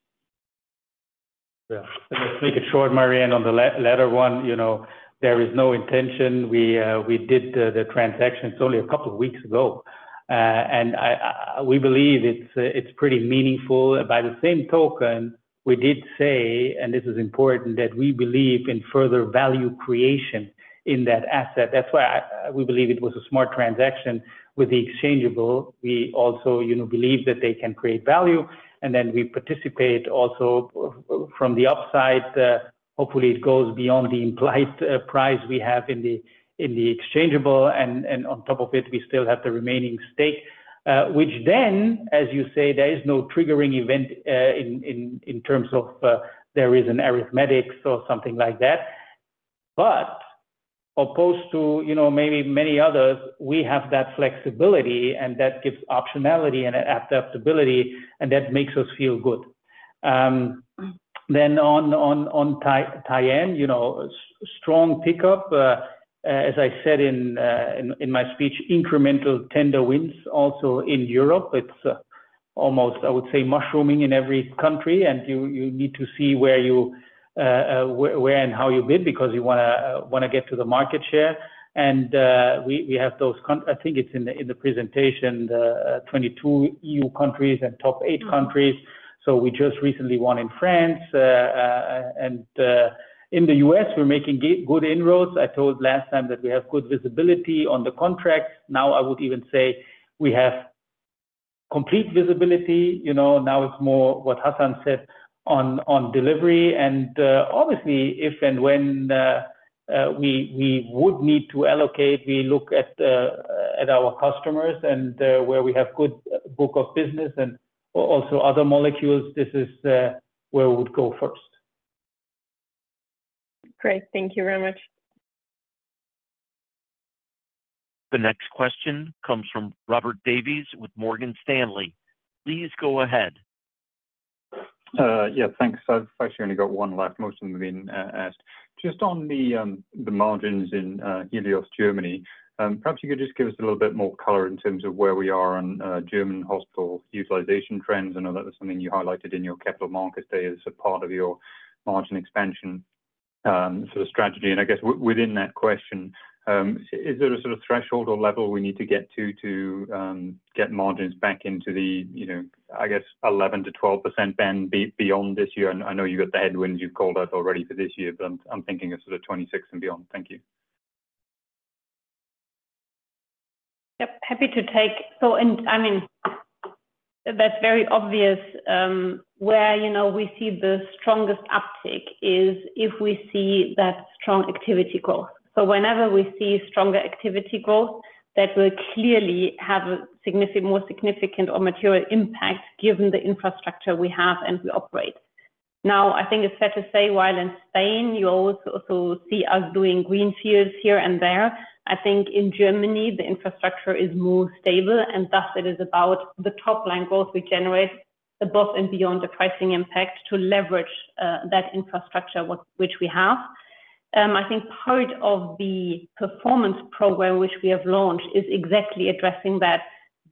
Speaker 3: Yeah. Let's make it short, Marianne, on the latter one. There is no intention. We did the transaction. It's only a couple of weeks ago. We believe it's pretty meaningful. By the same token, we did say, and this is important, that we believe in further value creation in that asset. That's why we believe it was a smart transaction with the exchangeable. We also believe that they can create value, and then we participate also from the upside. Hopefully, it goes beyond the implied price we have in the exchangeable. On top of it, we still have the remaining stake, which then, as you say, there is no triggering event in terms of there is an arithmetic or something like that. Opposed to maybe many others, we have that flexibility, and that gives optionality and adaptability, and that makes us feel good. On Tyenne, strong pickup. As I said in my speech, incremental tender wins also in Europe. It's almost, I would say, mushrooming in every country, and you need to see where and how you bid because you want to get to the market share. We have those—I think it's in the presentation—22 EU countries and top eight countries. We just recently won in France. In the U.S., we're making good inroads. I told last time that we have good visibility on the contracts. Now I would even say we have complete visibility. Now it's more what Hassan said on delivery. Obviously, if and when we would need to allocate, we look at our customers and where we have a good book of business and also other molecules. This is where we would go first.
Speaker 13: Great. Thank you very much.
Speaker 1: The next question comes from Robert Davies with Morgan Stanley. Please go ahead.
Speaker 14: Yeah. Thanks. I've actually only got one last question being asked. Just on the margins in Helios Germany, perhaps you could just give us a little bit more color in terms of where we are on German hospital utilization trends. I know that was something you highlighted in your capital markets day as a part of your margin expansion sort of strategy. I guess within that question, is there a sort of threshold or level we need to get to to get margins back into the, I guess, 11-12% bend beyond this year? I know you got the headwinds you've called out already for this year, but I'm thinking of sort of 2026 and beyond. Thank you.
Speaker 4: Yep. Happy to take—I mean, that's very obvious. Where we see the strongest uptick is if we see that strong activity growth. Whenever we see stronger activity growth, that will clearly have a significant or material impact given the infrastructure we have and we operate. I think it's fair to say while in Spain, you also see us doing greenfields here and there. I think in Germany, the infrastructure is more stable, and thus it is about the top-line growth we generate above and beyond the pricing impact to leverage that infrastructure which we have. I think part of the performance program which we have launched is exactly addressing that,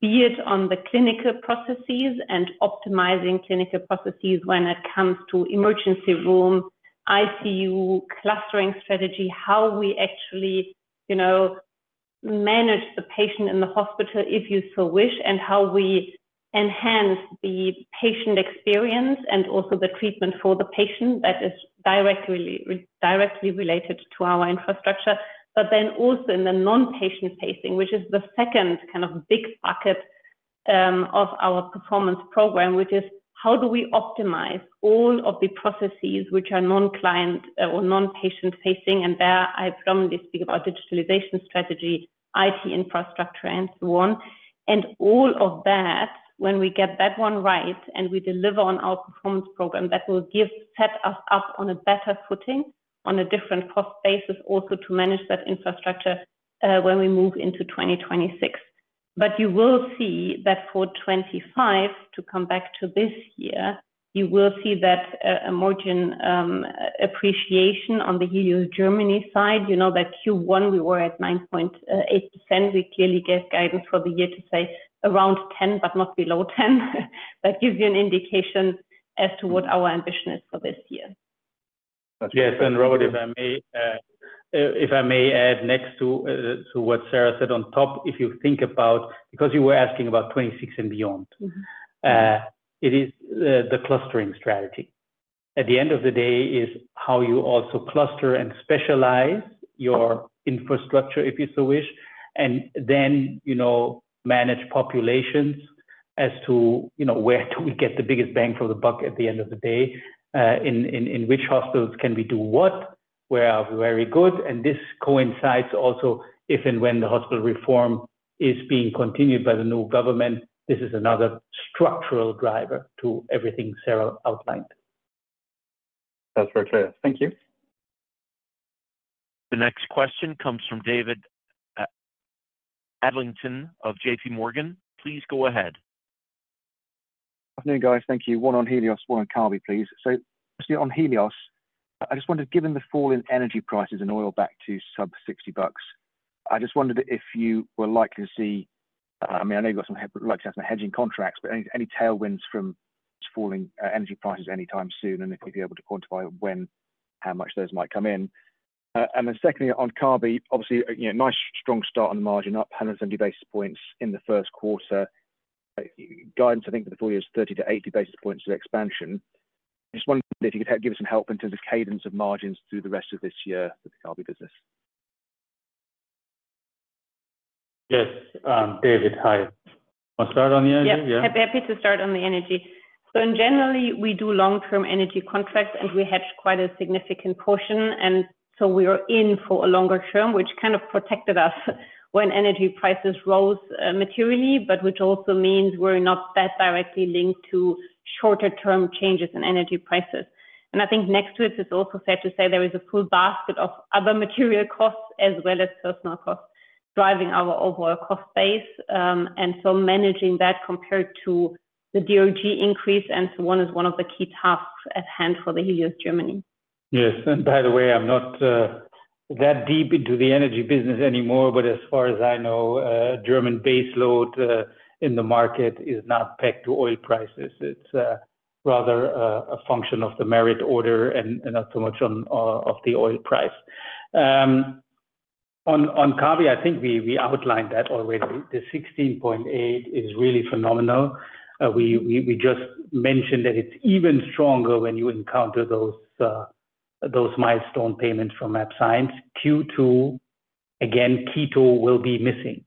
Speaker 4: be it on the clinical processes and optimizing clinical processes when it comes to emergency room, ICU, clustering strategy, how we actually manage the patient in the hospital if you so wish, and how we enhance the patient experience and also the treatment for the patient. That is directly related to our infrastructure. In the non-patient facing, which is the second kind of big bucket of our performance program, which is how do we optimize all of the processes which are non-client or non-patient facing. There I predominantly speak about digitalization strategy, IT infrastructure, and so on. All of that, when we get that one right and we deliver on our performance program, that will set us up on a better footing on a different cost basis also to manage that infrastructure when we move into 2026. You will see that for 2025, to come back to this year, you will see a margin appreciation on the Helios Germany side. You know that Q1 we were at 9.8%. We clearly gave guidance for the year to say around 10%, but not below 10%. That gives you an indication as to what our ambition is for this year.
Speaker 3: Yes. And Robert, if I may add next to what Sarah said on top, if you think about—because you were asking about '26 and beyond, it is the clustering strategy. At the end of the day, it is how you also cluster and specialize your infrastructure if you so wish, and then manage populations as to where do we get the biggest bang for the buck at the end of the day. In which hospitals can we do what? Where are we very good? This coincides also if and when the hospital reform is being continued by the new government. This is another structural driver to everything Sarah outlined.
Speaker 14: That's very clear. Thank you.
Speaker 1: The next question comes from David Adlington of JPMorgan. Please go ahead.
Speaker 15: Good afternoon, guys. Thank you. One on Helios. One on Kabi, please. On Helios, I just wondered, given the fall in energy prices and oil back to sub-$60, I just wondered if you were likely to see—I mean, I know you've got some likely to have some hedging contracts, but any tailwinds from falling energy prices anytime soon, and if you'd be able to quantify when how much those might come in. Secondly, on Kabi, obviously, nice strong start on the margin, up 170 basis points in the first quarter. Guidance, I think, for the full year is 30-80 basis points of expansion. Just wondering if you could give us some help in terms of cadence of margins through the rest of this year for the Kabi business.
Speaker 3: Yes. David, hi. I'll start on the energy.
Speaker 4: Yeah. Happy to start on the energy. Generally, we do long-term energy contracts, and we hedge quite a significant portion. We are in for a longer term, which kind of protected us when energy prices rose materially, but which also means we're not that directly linked to shorter-term changes in energy prices. I think next to it, it's also fair to say there is a full basket of other material costs as well as personnel costs driving our overall cost base. Managing that compared to the DRG increase and so on is one of the key tasks at hand for Helios Germany.
Speaker 3: By the way, I'm not that deep into the energy business anymore, but as far as I know, German baseload in the market is not pegged to oil prices. It's rather a function of the merit order and not so much of the oil price. On Kabi, I think we outlined that already. The 16.8% is really phenomenal. We just mentioned that it's even stronger when you encounter those milestone payments from MAP Science. Q2, again, Keto will be missing.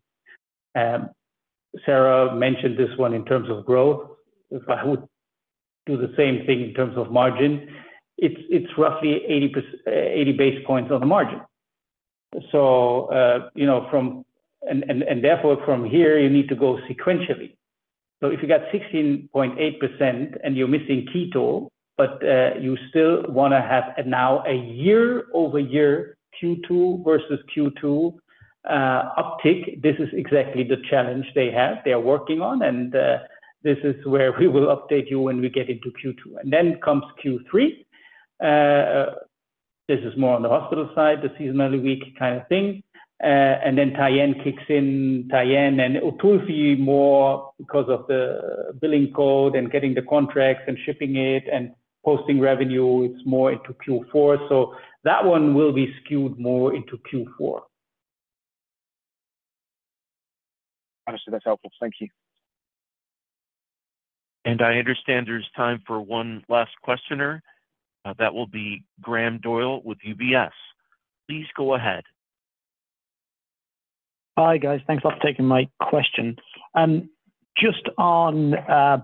Speaker 3: Sarah mentioned this one in terms of growth. I would do the same thing in terms of margin. It's roughly 80 basis points on the margin. Therefore, from here, you need to go sequentially. If you got 16.8% and you're missing Keto, but you still want to have now a year-over-year Q2 versus Q2 uptick, this is exactly the challenge they have. They are working on, and this is where we will update you when we get into Q2. Then comes Q3. This is more on the hospital side, the seasonally weak kind of thing. Then Tyenne kicks in. Tyenne and Otulfi more because of the billing code and getting the contracts and shipping it and posting revenue. It is more into Q4. That one will be skewed more into Q4.
Speaker 15: Understood. That is helpful. Thank you.
Speaker 1: I understand there is time for one last questioner. That will be Graham Doyle with UBS. Please go ahead.
Speaker 16: Hi, guys. Thanks for taking my question. Just on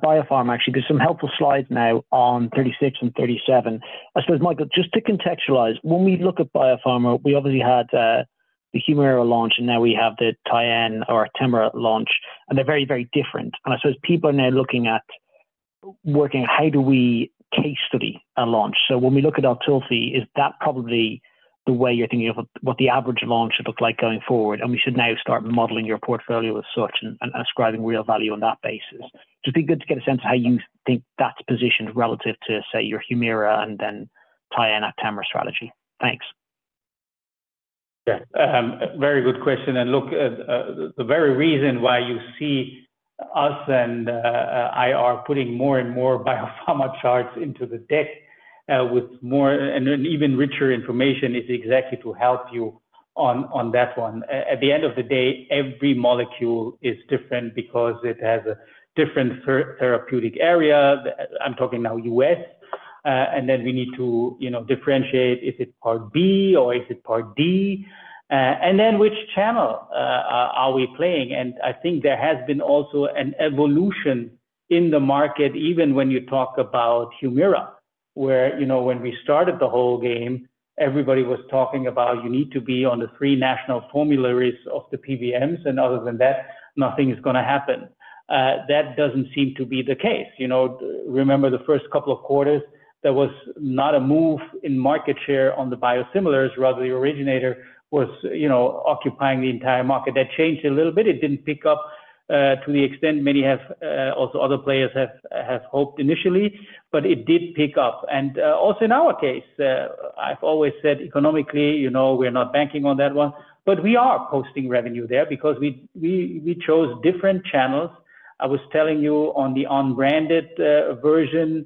Speaker 16: BioPharma, actually, there are some helpful slides now on 36 and 37. I suppose, Michael, just to contextualize, when we look at BioPharma, we obviously had the Humira launch, and now we have the Tyenne or Actemra launch, and they are very, very different. I suppose people are now looking at working, how do we case study a launch? When we look at Otulfi, is that probably the way you are thinking of what the average launch should look like going forward? We should now start modeling your portfolio as such and ascribing real value on that basis. Just be good to get a sense of how you think that's positioned relative to, say, your Humira and then Tyenne or Actemra strategy. Thanks.
Speaker 3: Yeah. Very good question. Look, the very reason why you see us and I are putting more and more BioPharma charts into the deck with more and even richer information is exactly to help you on that one. At the end of the day, every molecule is different because it has a different therapeutic area. I'm talking now U.S.. We need to differentiate if it's part B or is it part D. Then which channel are we playing? I think there has been also an evolution in the market, even when you talk about Humira, where when we started the whole game, everybody was talking about you need to be on the three national formularies of the PBMs, and other than that, nothing is going to happen. That does not seem to be the case. Remember the first couple of quarters, there was not a move in market share on the biosimilars, rather the originator was occupying the entire market. That changed a little bit. It did not pick up to the extent many have also other players have hoped initially, but it did pick up. Also in our case, I have always said economically, we are not banking on that one, but we are posting revenue there because we chose different channels. I was telling you on the unbranded version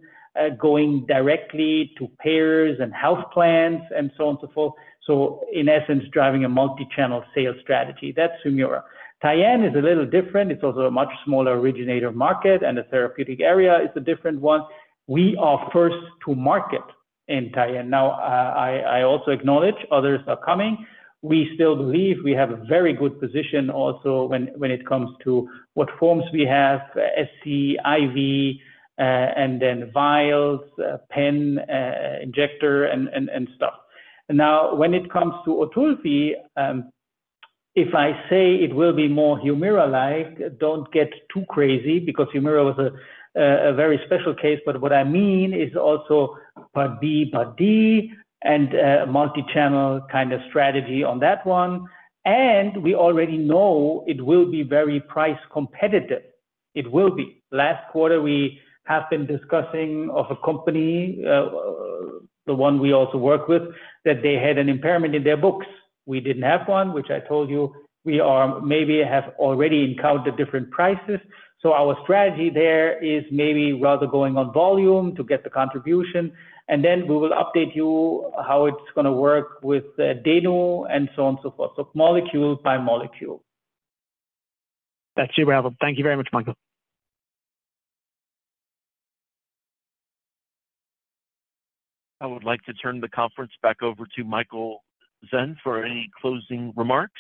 Speaker 3: going directly to payers and health plans and so on and so forth. In essence, driving a multi-channel sales strategy. That's Humira. Tyenne is a little different. It's also a much smaller originator market, and the therapeutic area is a different one. We are first to market in Tyenne. I also acknowledge others are coming. We still believe we have a very good position also when it comes to what forms we have: SC, IV, and then vials, pen injector, and stuff. When it comes to Otulfi, if I say it will be more Humira-like, don't get too crazy because Humira was a very special case. What I mean is also part B, part D, and a multi-channel kind of strategy on that one. We already know it will be very price competitive. It will be. Last quarter, we have been discussing of a company, the one we also work with, that they had an impairment in their books. We did not have one, which I told you we maybe have already encountered different prices. Our strategy there is maybe rather going on volume to get the contribution. We will update you how it is going to work with Dano and so on and so forth. Molecule by molecule.
Speaker 16: That is you, Ravel. Thank you very much, Michael.
Speaker 1: I would like to turn the conference back over to Michael Sen for any closing remarks.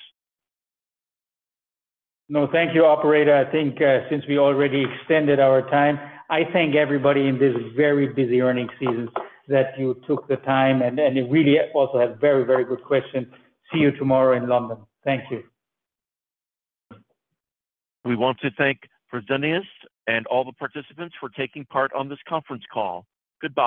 Speaker 3: No, thank you, operator. I think since we already extended our time, I thank everybody in this very busy earning season that you took the time. You really also had very, very good questions. See you tomorrow in London. Thank you.
Speaker 1: We want to thank Fresenius and all the participants for taking part on this conference call. Goodbye.